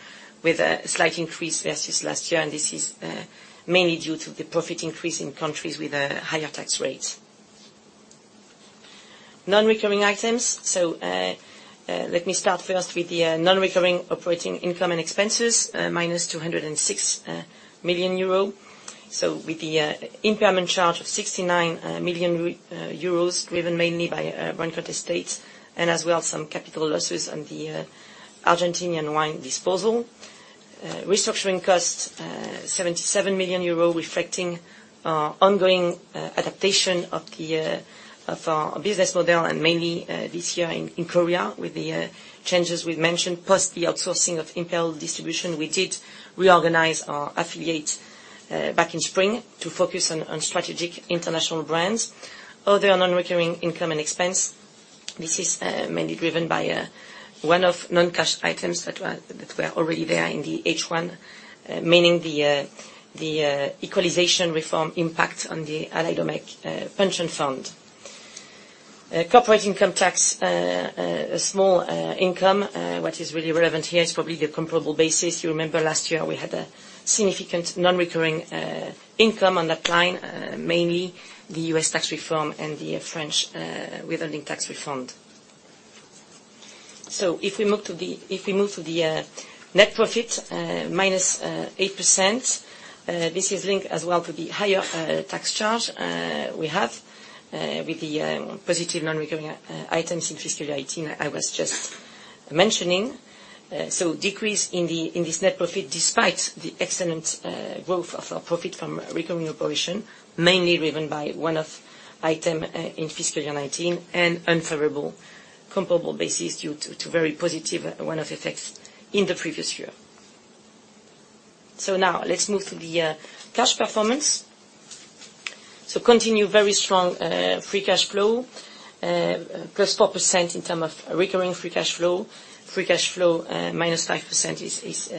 with a slight increase versus last year. This is mainly due to the profit increase in countries with higher tax rates. Non-recurring items. Let me start first with the non-recurring operating income and expenses, minus 206 million euro. With the impairment charge of 69 million euros, driven mainly by Brancott Estates and as well some capital losses on the Argentinian wine disposal. Restructuring cost, 77 million euro, reflecting our ongoing adaptation of our business model and mainly this year in Korea with the changes we've mentioned post the outsourcing of Imperial distribution. We did reorganize our affiliate back in spring to focus on strategic international brands. Other non-recurring income and expense, this is mainly driven by one of non-cash items that were already there in the H1, meaning the equalization reform impact on the AG2R LA MONDIALE pension fund. Corporate income tax, a small income. What is really relevant here is probably the comparable basis. You remember last year we had a significant non-recurring income on that line, mainly the U.S. tax reform and the French withholding tax reform. If we move to the net profit, -8%. This is linked as well to the higher tax charge we have with the positive non-recurring items in fiscal year 2018 I was just mentioning. Decrease in this net profit despite the excellent growth of our profit from recurring operation, mainly driven by one-off item in fiscal year 2019 and unfavorable comparable basis due to very positive one-off effects in the previous year. Now let's move to the cash performance. Continue very strong free cash flow, +4% in term of recurring free cash flow. Free cash flow, -5% is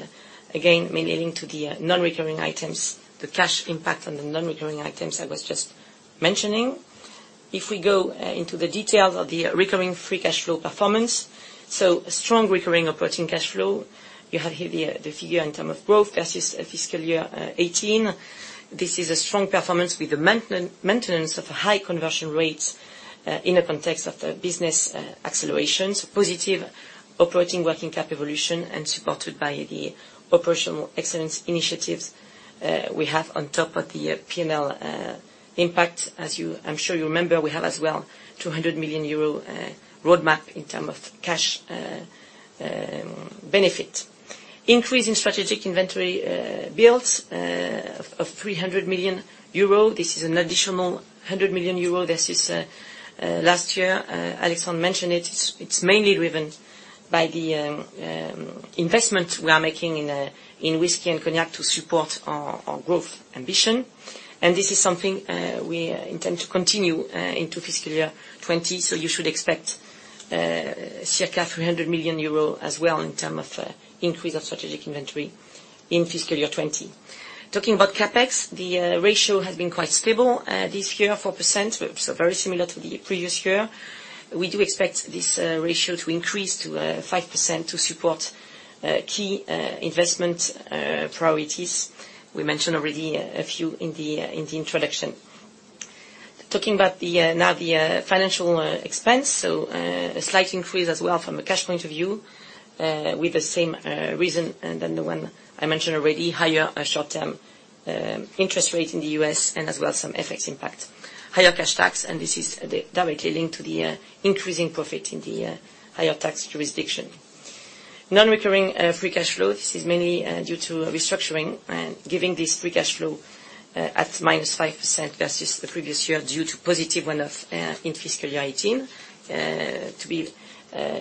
again mainly linked to the non-recurring items, the cash impact on the non-recurring items I was just mentioning. If we go into the details of the recurring free cash flow performance. Strong recurring operating cash flow. You have here the figure in terms of growth versus FY 2018. This is a strong performance with the maintenance of high conversion rates in a context of the business accelerations, positive operating working cap evolution and supported by the operational excellence initiatives we have on top of the P&L impact. As I'm sure you remember, we have as well 200 million euro roadmap in terms of cash benefit. Increase in strategic inventory builds of 300 million euro. This is an additional 100 million euro versus last year. Alexandre mentioned it. It's mainly driven by the investment we are making in whiskey and cognac to support our growth ambition. This is something we intend to continue into FY 2020, so you should expect circa 300 million euro as well in terms of increase of strategic inventory in FY 2020. Talking about CapEx, the ratio has been quite stable this year, 4%, so very similar to the previous year. We do expect this ratio to increase to 5% to support key investment priorities. We mentioned already a few in the introduction. Talking about now the financial expense, so a slight increase as well from a cash point of view with the same reason than the one I mentioned already, higher short-term interest rate in the U.S. and as well some FX impact. Higher cash tax, and this is directly linked to the increasing profit in the higher tax jurisdiction. Non-recurring free cash flow, this is mainly due to restructuring and giving this free cash flow at -5% versus the previous year due to positive one-off in fiscal year 2018. To be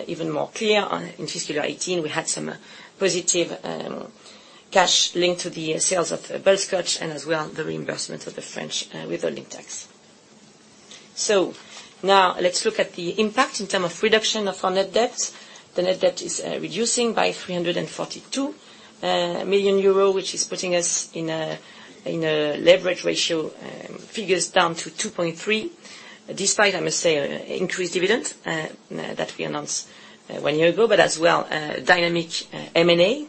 even more clear on, in fiscal year 2018, we had some positive cash linked to the sales of Bell's Scotch and as well the reimbursement of the French withholding tax. Now let's look at the impact in term of reduction of our net debt. The net debt is reducing by 342 million euro, which is putting us in a leverage ratio figures down to 2.3. Despite, I must say, increased dividend that we announced one year ago, as well dynamic M&A.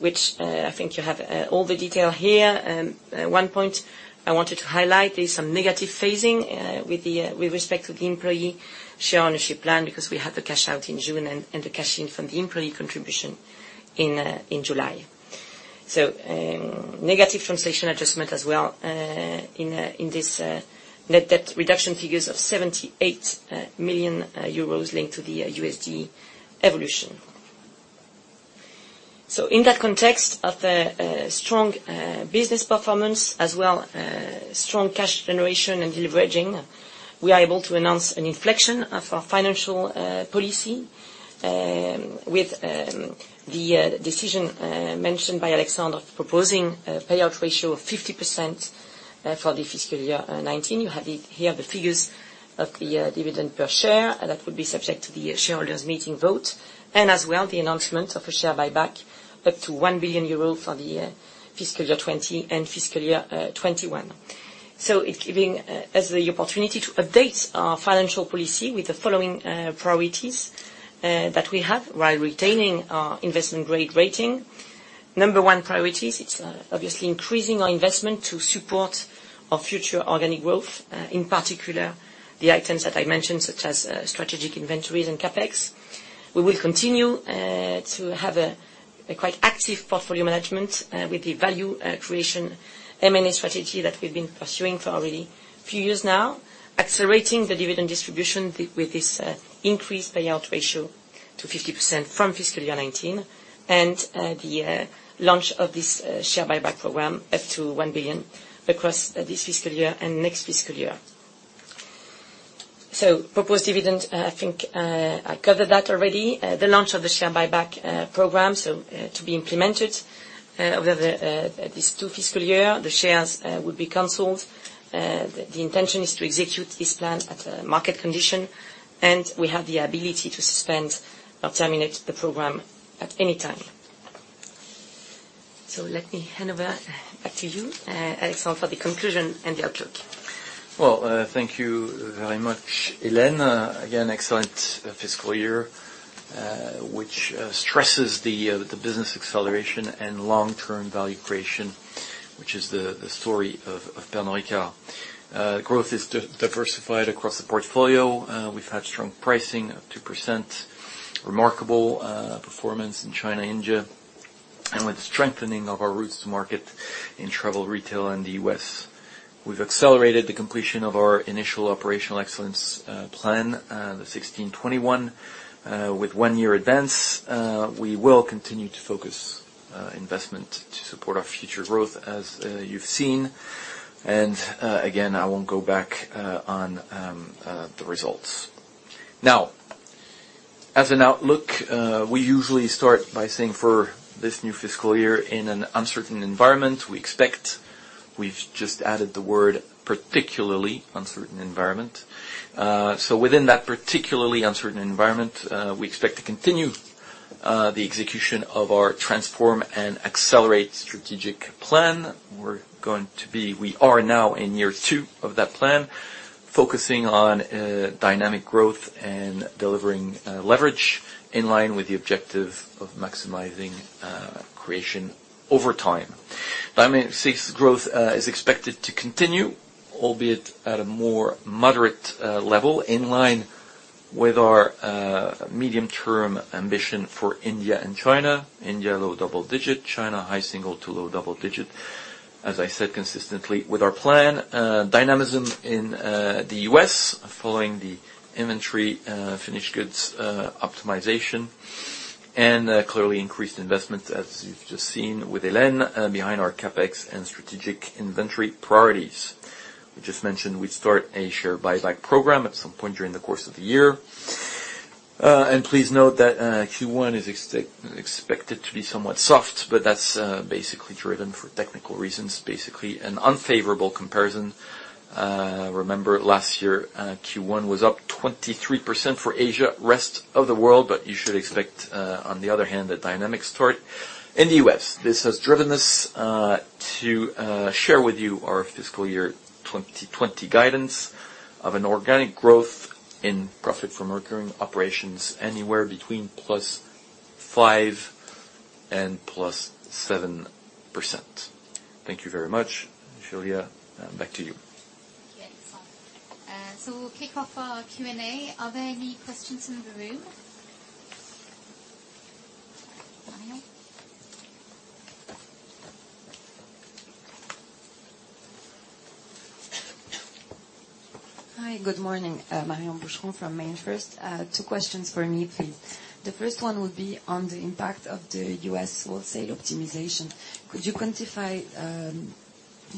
Which I think you have all the detail here. One point I wanted to highlight is some negative phasing with respect to the employee share ownership plan because we had the cash out in June and the cash in from the employee contribution in July. Negative translation adjustment as well in this net debt reduction figures of €78 million linked to the USD evolution. In that context of the strong business performance as well strong cash generation and deleveraging, we are able to announce an inflection of our financial policy, with the decision mentioned by Alexandre of proposing a payout ratio of 50% for the fiscal year 2019. You have here the figures of the dividend per share. That would be subject to the shareholders' meeting vote. As well, the announcement of a share buyback up to €1 billion for the fiscal year 2020 and fiscal year 2021. It's giving us the opportunity to update our financial policy with the following priorities that we have while retaining our investment-grade rating. Number 1 priority is it's obviously increasing our investment to support our future organic growth, in particular the items that I mentioned, such as strategic inventories and CapEx. We will continue to have a quite active portfolio management with the value creation M&A strategy that we've been pursuing for already a few years now. Accelerating the dividend distribution with this increased payout ratio to 50% from fiscal year 2019. The launch of this share buyback program up to 1 billion across this fiscal year and next fiscal year. Proposed dividend, I think I covered that already. The launch of the share buyback program, to be implemented over these two fiscal year, the shares will be canceled. The intention is to execute this plan at market condition. We have the ability to suspend or terminate the program at any time. Let me hand over back to you, Alexandre, for the conclusion and the outlook. Well, thank you very much, Hélène. Again, excellent fiscal year, which stresses the business acceleration and long-term value creation, which is the story of Pernod Ricard. Growth is diversified across the portfolio. We've had strong pricing of 2%, remarkable performance in China, India, and with strengthening of our roots to market in travel retail in the U.S. We've accelerated the completion of our initial operational excellence plan, the 2016, 2021. With one year advance, we will continue to focus investment to support our future growth, as you've seen. Again, I won't go back on the results. As an outlook, we usually start by saying for this new fiscal year in an uncertain environment, we've just added the word particularly uncertain environment. Within that particularly uncertain environment, we expect to continue the execution of our Transform and Accelerate strategic plan. We are now in year 2 of that plan, focusing on dynamic growth and delivering leverage in line with the objective of maximizing creation over time. Dynamic sales growth is expected to continue, albeit at a more moderate level, in line with our medium-term ambition for India and China. India, low double digit. China, high single to low double digit. As I said consistently with our plan, dynamism in the U.S. following the inventory finished goods optimization, and clearly increased investment, as you've just seen with Hélène behind our CapEx and strategic inventory priorities. We just mentioned we'd start a share buyback program at some point during the course of the year. Please note that Q1 is expected to be somewhat soft, but that's basically driven for technical reasons, basically an unfavorable comparison. Remember, last year, Q1 was up 23% for Asia, rest of the world. You should expect, on the other hand, a dynamic start in the U.S. This has driven us to share with you our fiscal year 2020 guidance of an organic growth in profit from recurring operations, anywhere between plus 5% and plus 7%. Thank you very much. Julia, back to you. Thank you. We'll kick off our Q&A. Are there any questions in the room? Marion? Hi, good morning. Marion Cohet-Boucheron from MainFirst. Two questions for me, please. The first one would be on the impact of the U.S. wholesale optimization. Could you quantify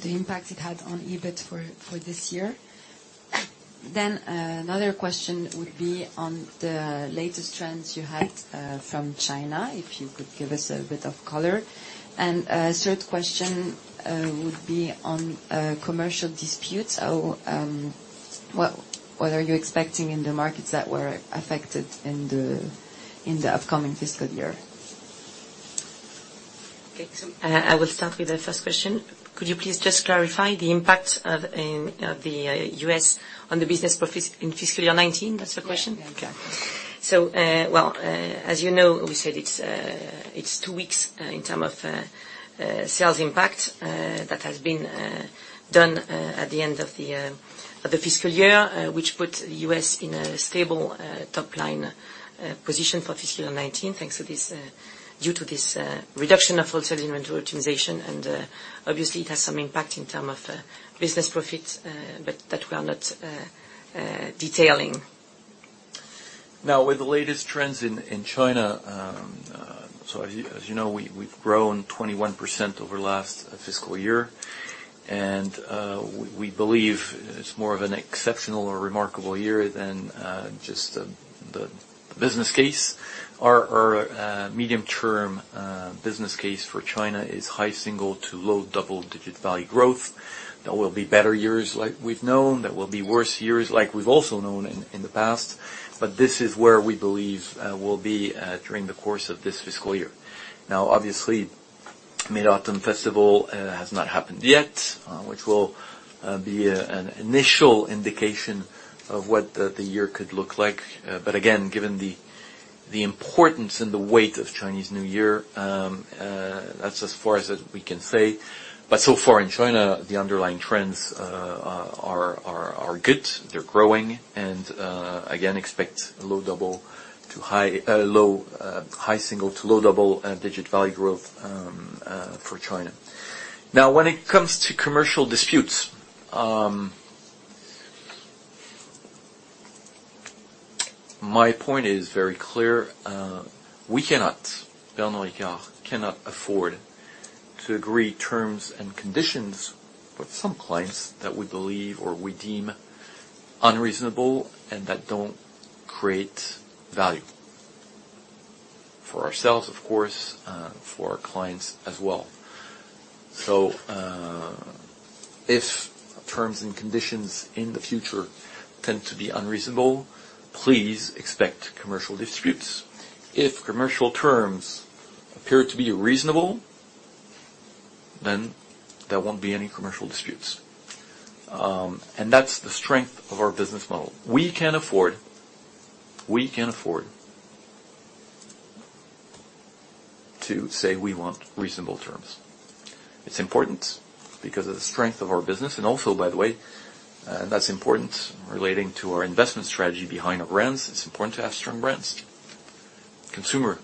the impact it had on EBIT for this year? Another question would be on the latest trends you had from China, if you could give us a bit of color. A third question would be on commercial disputes. What are you expecting in the markets that were affected in the upcoming fiscal year? Okay. I will start with the first question. Could you please just clarify the impact of the U.S. on the business profit in fiscal year 2019? That's the question? Yeah. Well, as you know, we said it's two weeks in terms of sales impact that has been done at the end of the fiscal year, which put the U.S. in a stable top line position for fiscal year 2019, due to this reduction of wholesale inventory optimization. Obviously, it has some impact in terms of business profits, that we are not detailing. With the latest trends in China, as you know, we've grown 21% over last fiscal year. We believe it's more of an exceptional or remarkable year than just the business case. Our medium-term business case for China is high single to low double-digit value growth. There will be better years like we've known. There will be worse years like we've also known in the past. This is where we believe we'll be during the course of this fiscal year. Obviously, Mid-Autumn Festival has not happened yet, which will be an initial indication of what the year could look like. Again, given the importance and the weight of Chinese New Year, that's as far as we can say. So far in China, the underlying trends are good. They're growing, and again, expect high single to low double-digit value growth for China. When it comes to commercial disputes, my point is very clear. We cannot, Pernod Ricard cannot afford to agree terms and conditions with some clients that we believe or we deem unreasonable and that don't create value for ourselves, of course, for our clients as well. If terms and conditions in the future tend to be unreasonable, please expect commercial disputes. If commercial terms appear to be reasonable, there won't be any commercial disputes. That's the strength of our business model. We can afford to say we want reasonable terms. It's important because of the strength of our business, by the way, that's important relating to our investment strategy behind our brands. It's important to have strong brands. Consumers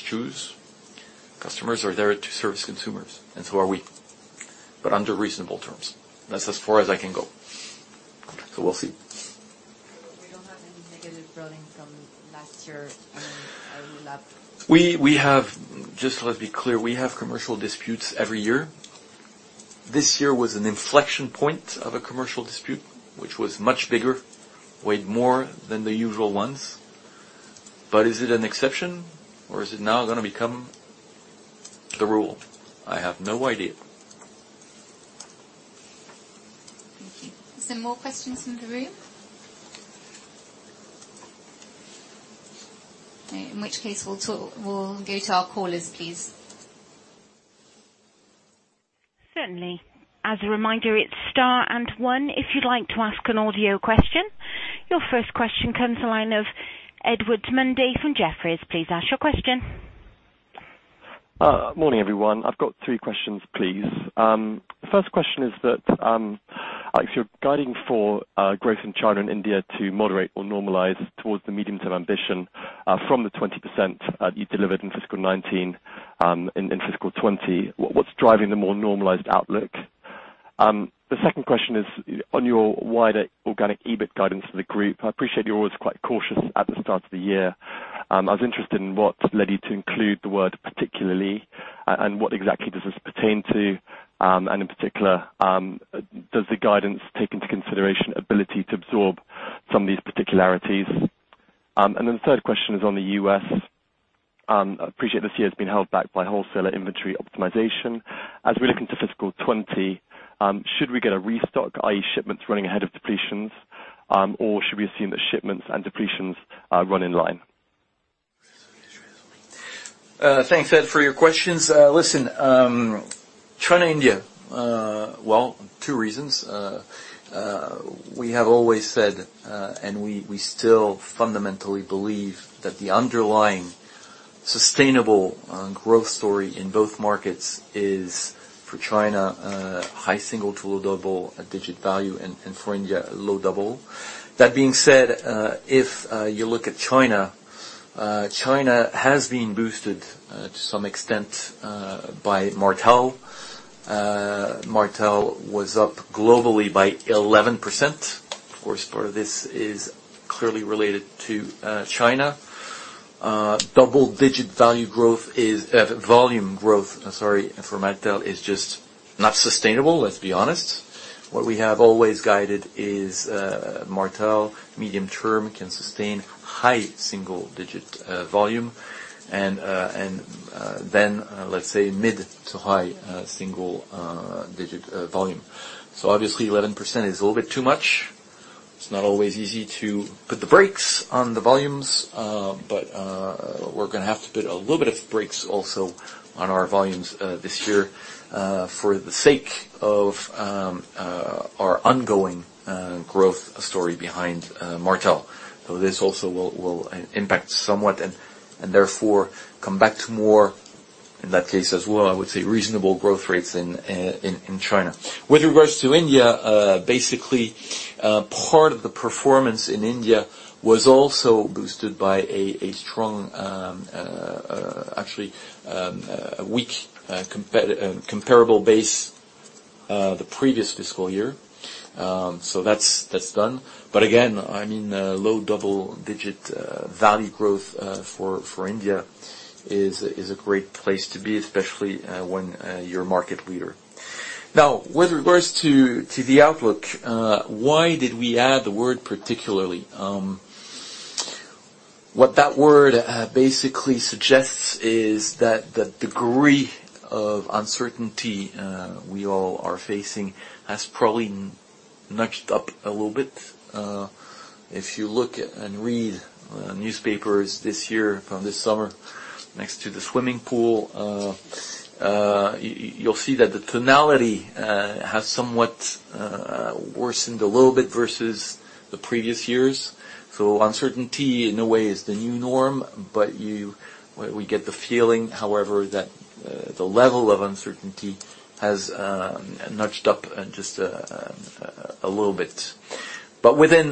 choose. Customers are there to service consumers, so are we, but under reasonable terms. That's as far as I can go. We'll see. you don't have any negative growing from last year and every other? Just let's be clear. We have commercial disputes every year. This year was an inflection point of a commercial dispute, which was much bigger, weighed more than the usual ones. Is it an exception or is it now going to become the rule? I have no idea. Thank you. Is there more questions in the room? In which case, we'll go to our callers, please. Certainly. As a reminder, it's star and one. If you'd like to ask an audio question. Your first question comes the line of Edward Mundy from Jefferies. Please ask your question. Morning, everyone. I've got three questions, please. First question is. Actually, you're guiding for growth in China and India to moderate or normalize towards the medium-term ambition from the 20% that you delivered in fiscal 2019, in fiscal 2020. What's driving the more normalized outlook? The second question is on your wider organic EBIT guidance for the group. I appreciate you're always quite cautious at the start of the year. I was interested in what led you to include the word, particularly, and what exactly does this pertain to? In particular, does the guidance take into consideration ability to absorb some of these particularities? The third question is on the U.S. I appreciate this year has been held back by wholesaler inventory optimization. As we look into fiscal 2020, should we get a restock, i.e., shipments running ahead of depletions? Should we assume that shipments and depletions run in line? Thanks, Ed, for your questions. Listen, China and India. Well, two reasons. We have always said, we still fundamentally believe that the underlying sustainable growth story in both markets is, for China, high single to low double-digit value and for India, low double. That being said, if you look at China has been boosted to some extent by Martell. Martell was up globally by 11%. Of course, part of this is clearly related to China. Double-digit volume growth for Martell is just not sustainable, let's be honest. What we have always guided is Martell, medium term, can sustain high single-digit volume then, let's say mid to high single-digit volume. Obviously 11% is a little bit too much. It's not always easy to put the brakes on the volumes, but we're going to have to put a little bit of brakes also on our volumes this year for the sake of our ongoing growth story behind Martell. This also will impact somewhat and therefore come back to more, in that case as well, I would say reasonable growth rates in China. With regards to India, basically, part of the performance in India was also boosted by a strong, actually a weak comparable base the previous fiscal year. That's done. Again, low double-digit value growth for India is a great place to be, especially when you're a market leader. With regards to the outlook, why did we add the word particularly? What that word basically suggests is that the degree of uncertainty we all are facing has probably nudged up a little bit. If you look at and read newspapers this year from this summer next to the swimming pool, you'll see that the tonality has somewhat worsened a little bit versus the previous years. Uncertainty, in a way, is the new norm, we get the feeling, however, that the level of uncertainty has nudged up just a little bit. Within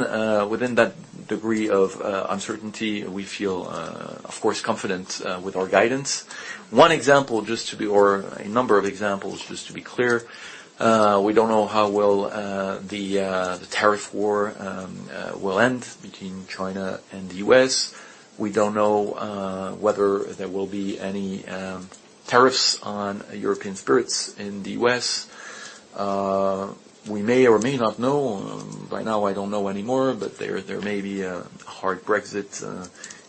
that degree of uncertainty, we feel, of course, confident with our guidance. One example, or a number of examples, just to be clear, we don't know how well the tariff war will end between China and the U.S. We don't know whether there will be any tariffs on European spirits in the U.S. We may or may not know. By now, I don't know anymore, there may be a hard Brexit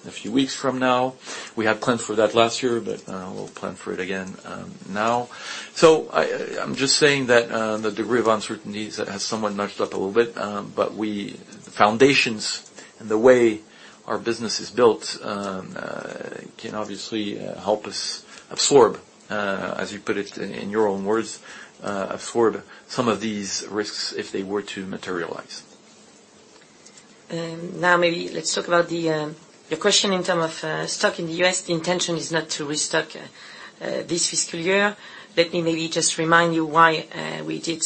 a few weeks from now. We had planned for that last year, but we'll plan for it again now. I'm just saying that the degree of uncertainty has somewhat nudged up a little bit. The foundations and the way our business is built can obviously help us absorb, as you put it in your own words, absorb some of these risks if they were to materialize. Maybe let's talk about your question in terms of stock in the U.S. The intention is not to restock this fiscal year. Let me maybe just remind you why we did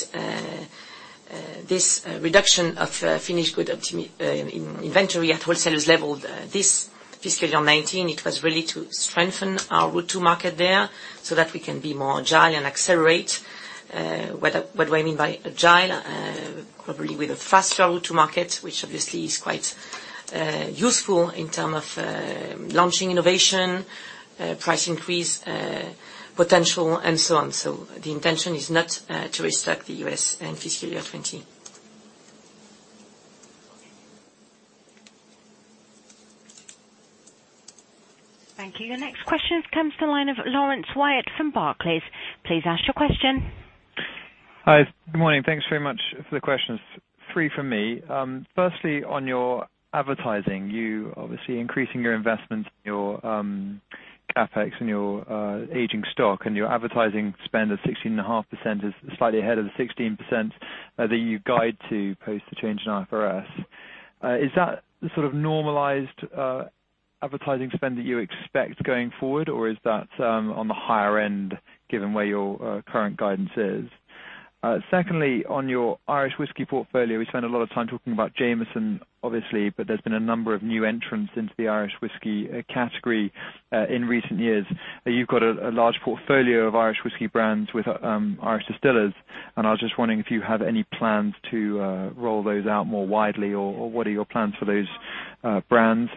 this reduction of finished goods inventory at wholesalers level this fiscal year 2019. It was really to strengthen our route to market there so that we can be more agile and accelerate. What do I mean by agile? Probably with a faster route to market, which obviously is quite useful in terms of launching innovation, price increase potential, and so on. The intention is not to restock the U.S. in fiscal year 2020. Thank you. The next question comes to the line of Laurence Wyatt from Barclays. Please ask your question. Hi. Good morning. Thanks very much for the questions. Three from me. Firstly, on your advertising, you obviously increasing your investment in your CapEx and your aging stock, and your advertising spend of 16.5% is slightly ahead of the 16% that you guide to post the change in IFRS. Is that the sort of normalized advertising spend that you expect going forward? Is that on the higher end, given where your current guidance is? Secondly, on your Irish Whiskey portfolio, we spend a lot of time talking about Jameson, obviously but there's been a number of new entrants into the Irish Whiskey category in recent years. You've got a large portfolio of Irish Whiskey brands with Irish Distillers, and I was just wondering if you had any plans to roll those out more widely or what are your plans for those brands.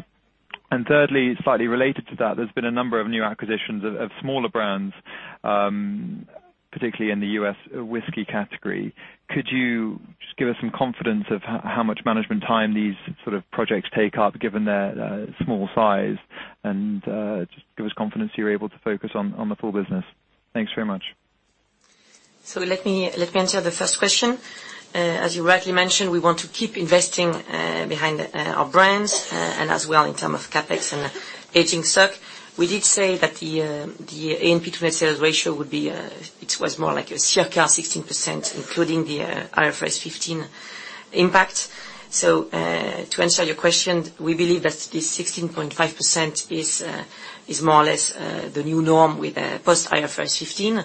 Thirdly, slightly related to that, there's been a number of new acquisitions of smaller brands, particularly in the U.S. whiskey category. Could you just give us some confidence of how much management time these sort of projects take up, given their small size? Just give us confidence you're able to focus on the full business. Thanks very much. Let me answer the first question. As you rightly mentioned, we want to keep investing behind our brands, and as well, in terms of CapEx and aging stock. We did say that the A&P to net sales ratio, it was more like a circa 16%, including the IFRS 15 impact. To answer your question, we believe that this 16.5% is more or less, the new norm with post IFRS 15,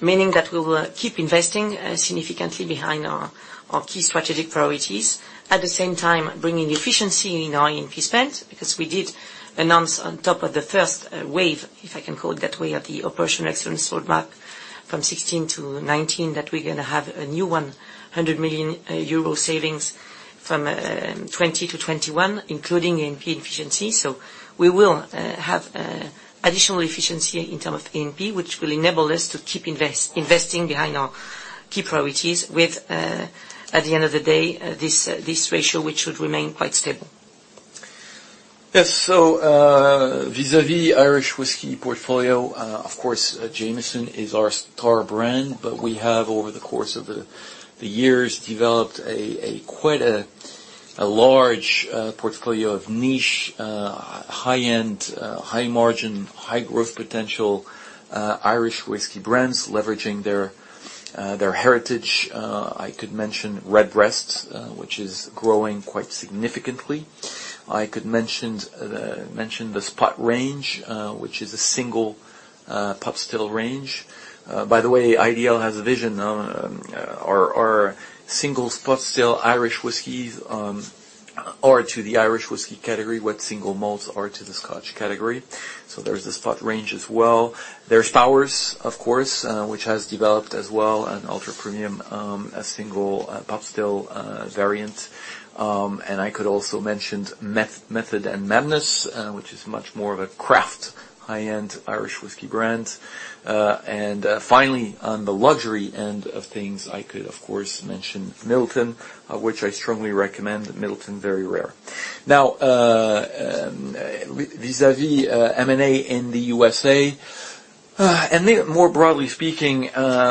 meaning that we will keep investing significantly behind our key strategic priorities. At the same time, bringing efficiency in our A&P spend, because we did announce on top of the first wave, if I can call it that way, at the Operational Excellence Roadmap from 2016 to 2019, that we are going to have a new 100 million euro savings from 2020 to 2021, including A&P efficiency. We will have additional efficiency in term of A&P, which will enable us to keep investing behind our key priorities with, at the end of the day, this ratio, which should remain quite stable. Yes. Vis-a-vis Irish whiskey portfolio, of course, Jameson is our star brand, but we have, over the course of the years, developed quite a large portfolio of niche, high-end, high margin, high growth potential Irish whiskey brands leveraging their heritage. I could mention Redbreast, which is growing quite significantly. I could mention the Spot range, which is a single pot still range. By the way, IDL has a vision. Our single pot still Irish whiskeys are to the Irish whiskey category what single malts are to the Scotch category. There's the Spot range as well. There's Powers, of course, which has developed as well, an ultra-premium, single pot still variant. I could also mention Method and Madness, which is much more of a craft high-end Irish whiskey brand. Finally, on the luxury end of things, I could of course mention Midleton, which I strongly recommend, the Midleton Very Rare. Vis-a-vis M&A in the U.S., and more broadly speaking,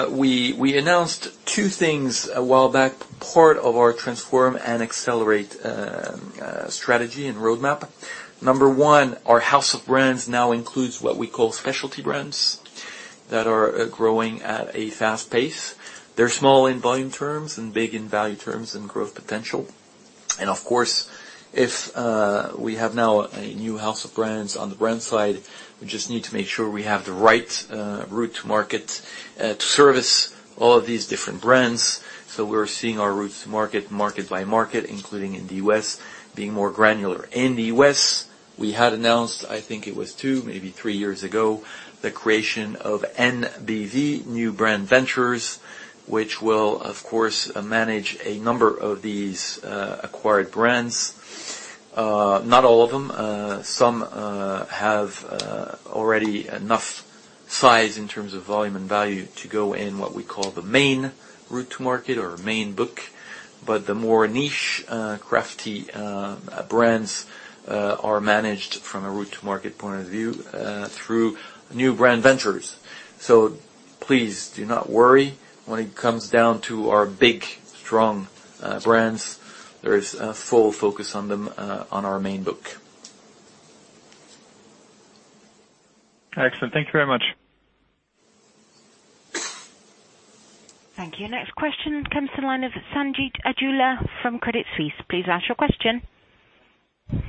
we announced two things a while back, part of our Transform and Accelerate strategy and roadmap. Number one, our house of brands now includes what we call specialty brands that are growing at a fast pace. They're small in volume terms and big in value terms and growth potential. Of course, if we have now a new house of brands on the brand side, we just need to make sure we have the right route to market to service all of these different brands. We're seeing our routes to market by market, including in the U.S., being more granular. In the U.S., we had announced, I think it was two, maybe three years ago, the creation of NBV, New Brand Ventures, which will, of course, manage a number of these acquired brands. Not all of them. Some have already enough size in terms of volume and value to go in what we call the main route to market or main book. The more niche, crafty brands are managed from a route to market point of view, through New Brand Ventures. Please do not worry when it comes down to our big, strong brands. There is a full focus on them on our main book. Excellent. Thank you very much. Thank you. Next question comes to the line of Sanjeet Aujla from Credit Suisse. Please ask your question.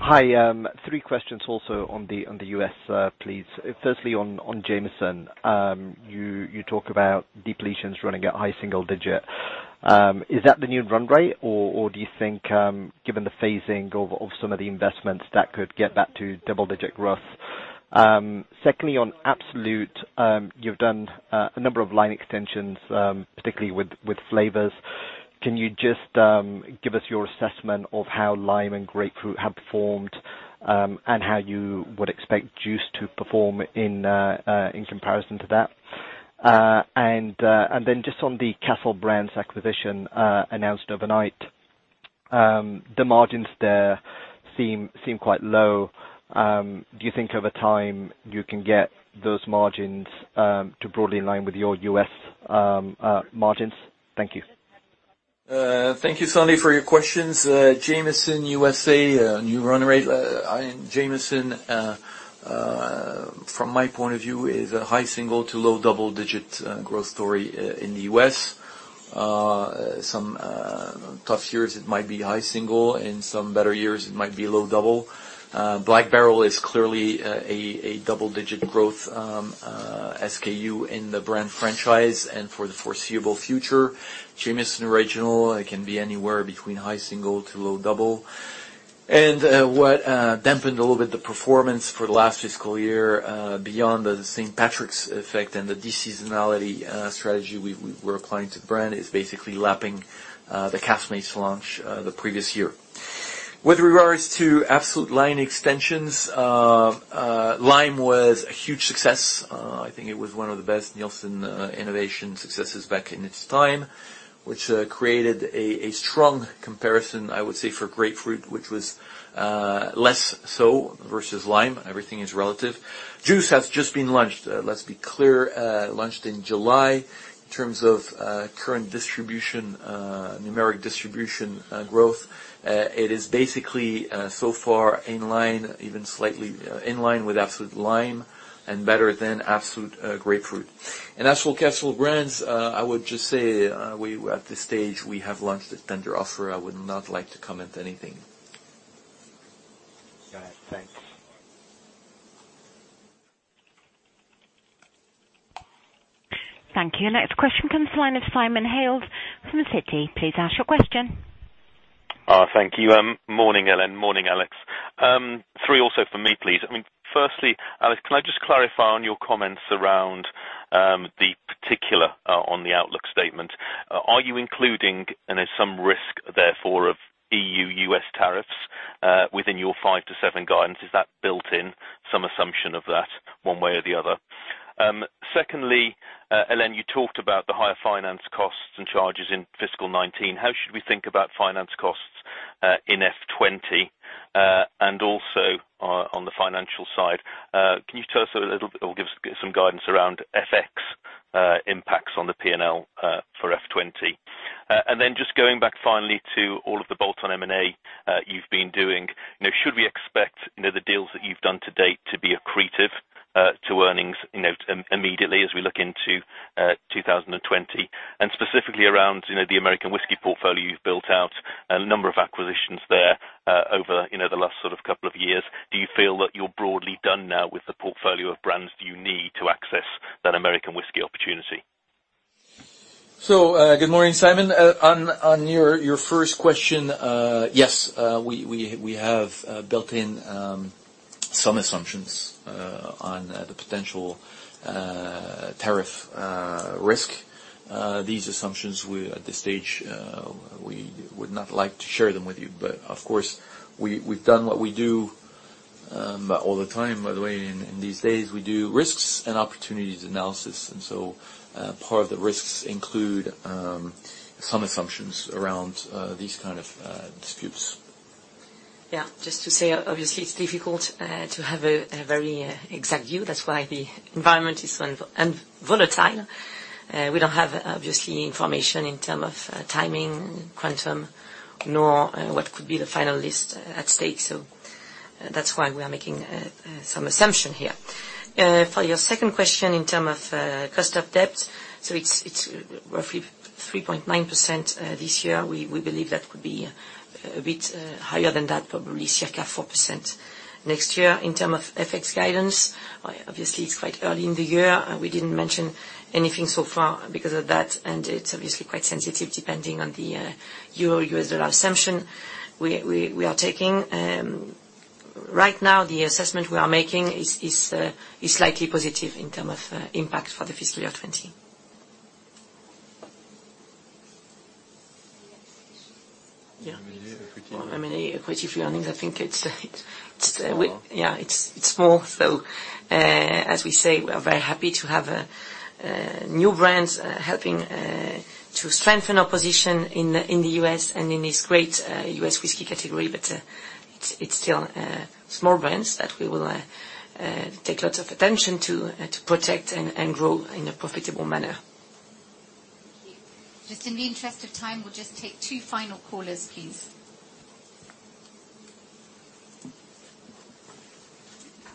Hi. Three questions also on the U.S., please. Firstly, on Jameson. You talk about depletions running at high single digit. Is that the new run rate, or do you think, given the phasing of some of the investments that could get that to double-digit growth? Secondly, on Absolut, you've done a number of line extensions, particularly with flavors. Can you just give us your assessment of how Lime and Grapefruit have performed, and how you would expect Juice to perform in comparison to that? Just on the Castle Brands acquisition announced overnight. The margins there seem quite low. Do you think over time you can get those margins to broadly in line with your U.S. margins? Thank you. Thank you, Sanjeet, for your questions. Jameson U.S.A. new run rate. Jameson. From my point of view, is a high single to low double-digit growth story in the U.S. Some tough years, it might be high single. In some better years, it might be low double. Black Barrel is clearly a double-digit growth SKU in the brand franchise and for the foreseeable future. Jameson Original, it can be anywhere between high single to low double. What dampened a little bit the performance for the last fiscal year, beyond the St. Patrick's effect and the de-seasonality strategy we're applying to the brand, is basically lapping the Caskmates launch the previous year. With regards to Absolut line extensions, Absolut Lime was a huge success. I think it was one of the best Nielsen innovation successes back in its time, which created a strong comparison, I would say, for grapefruit, which was less so versus lime. Everything is relative. Absolut Juice has just been launched. Let's be clear, it launched in July. In terms of current numeric distribution growth, it is basically so far even slightly in line with Absolut Lime and better than Absolut Grapefruit. As for Castle Brands, I would just say, at this stage, we have launched a tender offer. I would not like to comment anything. Got it. Thanks. Thank you. Next question comes the line of Simon Hales from Citi. Please ask your question. Thank you. Morning, Hélène. Morning, Alex. 3 also from me, please. Firstly, Alex, can I just clarify on your comments around the particular on the outlook statement. Are you including, and there's some risk therefore of EU/U.S. tariffs within your 5-7 guidance, is that built in, some assumption of that, one way or the other? Secondly, Hélène, you talked about the higher finance costs and charges in FY 2019. How should we think about finance costs, in FY 2020? Also, on the financial side, can you tell us a little or give us some guidance around FX impacts on the P&L for FY 2020? Just going back finally to all of the bolt-on M&A you've been doing. Should we expect the deals that you've done to date to be accretive to earnings immediately as we look into 2020? Specifically around the American Whiskey portfolio you've built out, a number of acquisitions there over the last couple of years. Do you feel that you're broadly done now with the portfolio of brands that you need to access that American Whiskey opportunity? Good morning, Simon. On your first question, yes, we have built in some assumptions on the potential tariff risk. These assumptions, at this stage, we would not like to share them with you. Of course, we've done what we do all the time, by the way. In these days, we do risks and opportunities analysis. Part of the risks include some assumptions around these kind of disputes. Just to say, obviously, it's difficult to have a very exact view. That's why the environment is volatile. We don't have, obviously, information in terms of timing, quantum, nor what could be the final list at stake. That's why we are making some assumptions here. For your second question, in terms of cost of debt, it's roughly 3.9% this year. We believe that could be a bit higher than that, probably circa 4% next year. In terms of FX guidance, obviously, it's quite early in the year. It's obviously quite sensitive depending on the Euro/US dollar assumption. We are taking, right now, the assessment we are making is slightly positive in terms of impact for the fiscal year 2020. M&A equity. M&A equity earnings. Small. Yeah, it's small, though. As we say, we are very happy to have new brands helping to strengthen our position in the U.S. and in this great U.S. whiskey category. It's still small brands that we will take lots of attention to protect and grow in a profitable manner. Thank you. Just in the interest of time, we'll just take two final callers, please.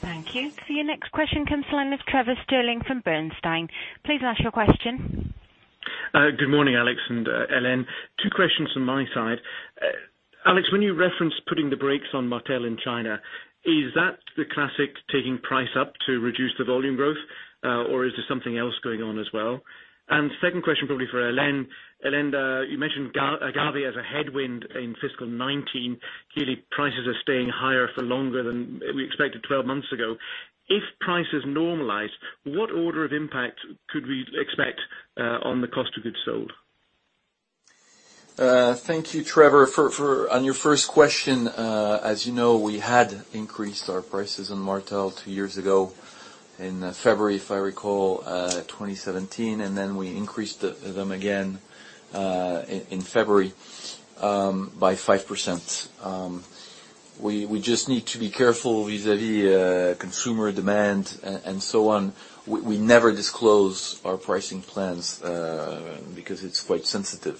Thank you. Your next question comes from the line of Trevor Stirling from Bernstein. Please ask your question. Good morning, Alex and Hélène. Two questions from my side. Alex, when you referenced putting the brakes on Martell in China, is that the classic taking price up to reduce the volume growth? Or is there something else going on as well? Second question, probably for Hélène. Hélène, you mentioned agave as a headwind in fiscal 2019. Clearly, prices are staying higher for longer than we expected 12 months ago. If prices normalize, what order of impact could we expect on the cost of goods sold? Thank you, Trevor. On your first question, as you know, we had increased our prices on Martell two years ago in February, if I recall, 2017, and then we increased them again in February by 5%. We just need to be careful vis-à-vis consumer demand and so on. We never disclose our pricing plans because it's quite sensitive.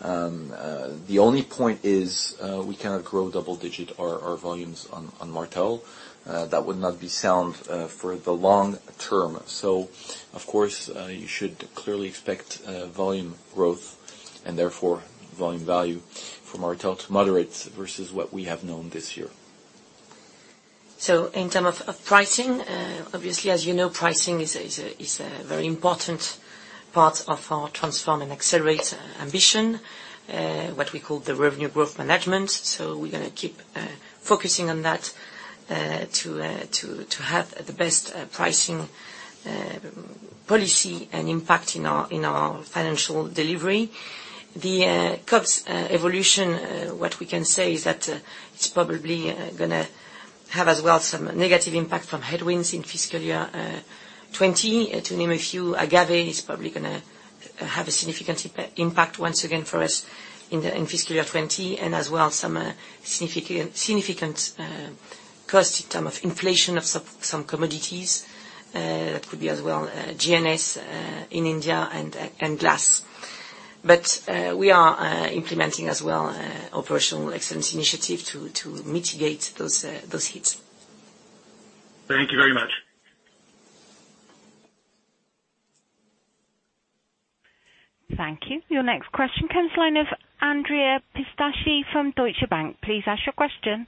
The only point is we cannot grow double digit our volumes on Martell. That would not be sound for the long term. Of course, you should clearly expect volume growth and therefore volume value from Martell to moderate versus what we have known this year. In terms of pricing, obviously, as you know, pricing is a very important part of our Transform and Accelerate ambition, what we call the Revenue Growth Management. We are going to keep focusing on that to have the best pricing policy and impact in our financial delivery. The COGS evolution, what we can say is that it's probably going to have as well some negative impact from headwinds in fiscal year 2020. To name a few, agave is probably going to have a significant impact once again for us in fiscal year 2020 and as well as some significant cost in terms of inflation of some commodities. That could be as well GNS in India and glass. We are implementing as well operational excellence initiative to mitigate those hits. Thank you very much. Thank you. Your next question comes line of Andrea Pistacchi from Deutsche Bank. Please ask your question.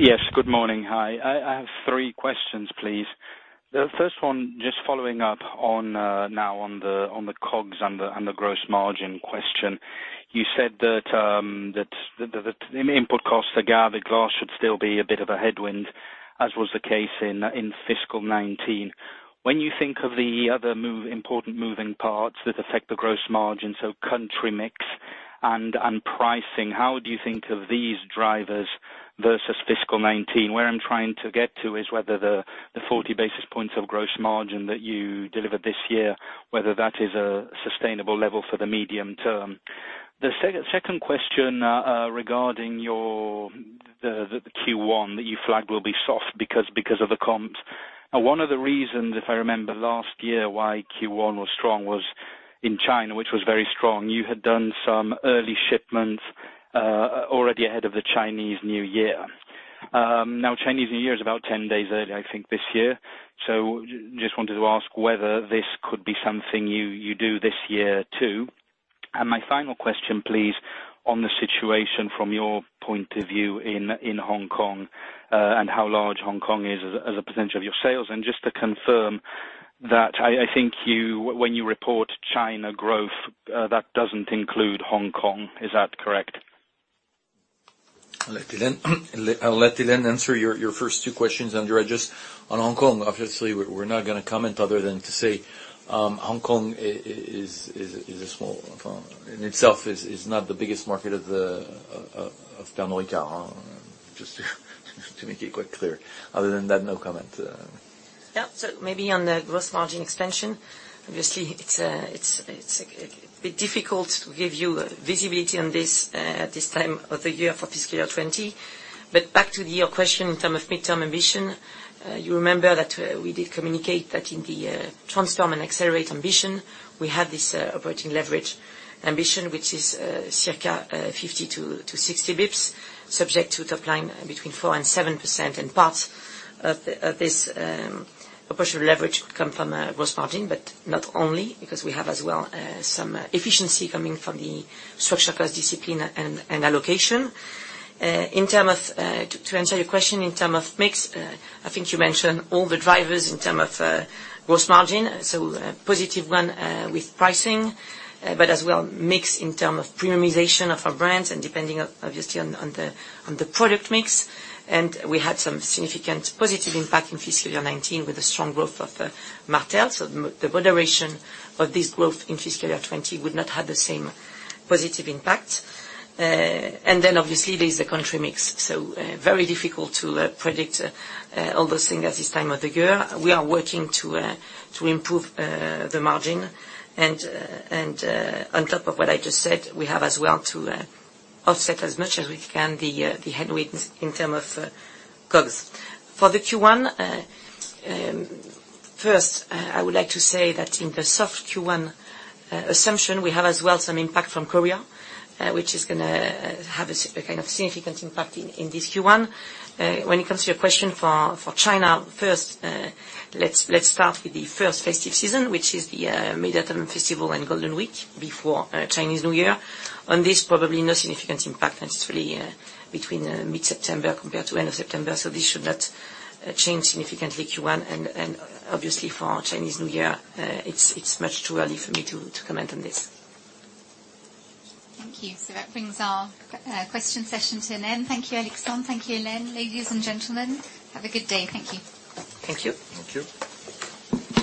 Yes, good morning. Hi. I have three questions, please. The first one, just following up on now on the COGS and the gross margin question. You said that the input costs, the gathered glass should still be a bit of a headwind, as was the case in FY 2019. When you think of the other important moving parts that affect the gross margin, so country mix and pricing, how do you think of these drivers versus FY 2019? Where I'm trying to get to is whether the 40 basis points of gross margin that you delivered this year, whether that is a sustainable level for the medium term. The second question regarding the Q1 that you flagged will be soft because of the comps. One of the reasons, if I remember last year, why Q1 was strong was in China, which was very strong. You had done some early shipments already ahead of the Chinese New Year. Chinese New Year is about 10 days early, I think, this year. Just wanted to ask whether this could be something you do this year, too. My final question, please, on the situation from your point of view in Hong Kong and how large Hong Kong is as a % of your sales, and just to confirm that I think when you report China growth, that doesn't include Hong Kong. Is that correct? I'll let Hélène answer your first two questions, Andrea. Just on Hong Kong, obviously, we're not going to comment other than to say Hong Kong in itself is not the biggest market of Pernod Ricard, just to make it quite clear. Other than that, no comment. Maybe on the gross margin expansion, obviously it's a bit difficult to give you visibility on this at this time of the year for FY 2020. Back to your question in terms of midterm ambition, you remember that we did communicate that in the Transform and Accelerate ambition, we have this operating leverage ambition, which is circa 50 to 60 basis points, subject to top line between 4%-7%. Parts of this operational leverage come from gross margin, but not only, because we have as well some efficiency coming from the structural cost discipline and allocation. To answer your question, in terms of mix, I think you mentioned all the drivers in terms of gross margin, so a positive one with pricing, but as well mix in terms of premiumization of our brands and depending obviously on the product mix. We had some significant positive impact in FY 2019 with the strong growth of Martell. The moderation of this growth in FY 2020 would not have the same positive impact. Obviously there's the country mix. Very difficult to predict all those things at this time of the year. We are working to improve the margin. On top of what I just said, we have as well to offset as much as we can the headwinds in term of COGS. For the Q1, first, I would like to say that in the soft Q1 assumption, we have as well some impact from Korea, which is going to have a kind of significant impact in this Q1. When it comes to your question for China, first, let's start with the first festive season, which is the Mid-Autumn Festival and Golden Week before Chinese New Year. On this, probably no significant impact necessarily between mid-September compared to end of September. This should not change significantly Q1. Obviously for our Chinese New Year, it's much too early for me to comment on this. Thank you. That brings our question session to an end. Thank you, Alexandre. Thank you, Hélène. Ladies and gentlemen, have a good day. Thank you. Thank you. Thank you.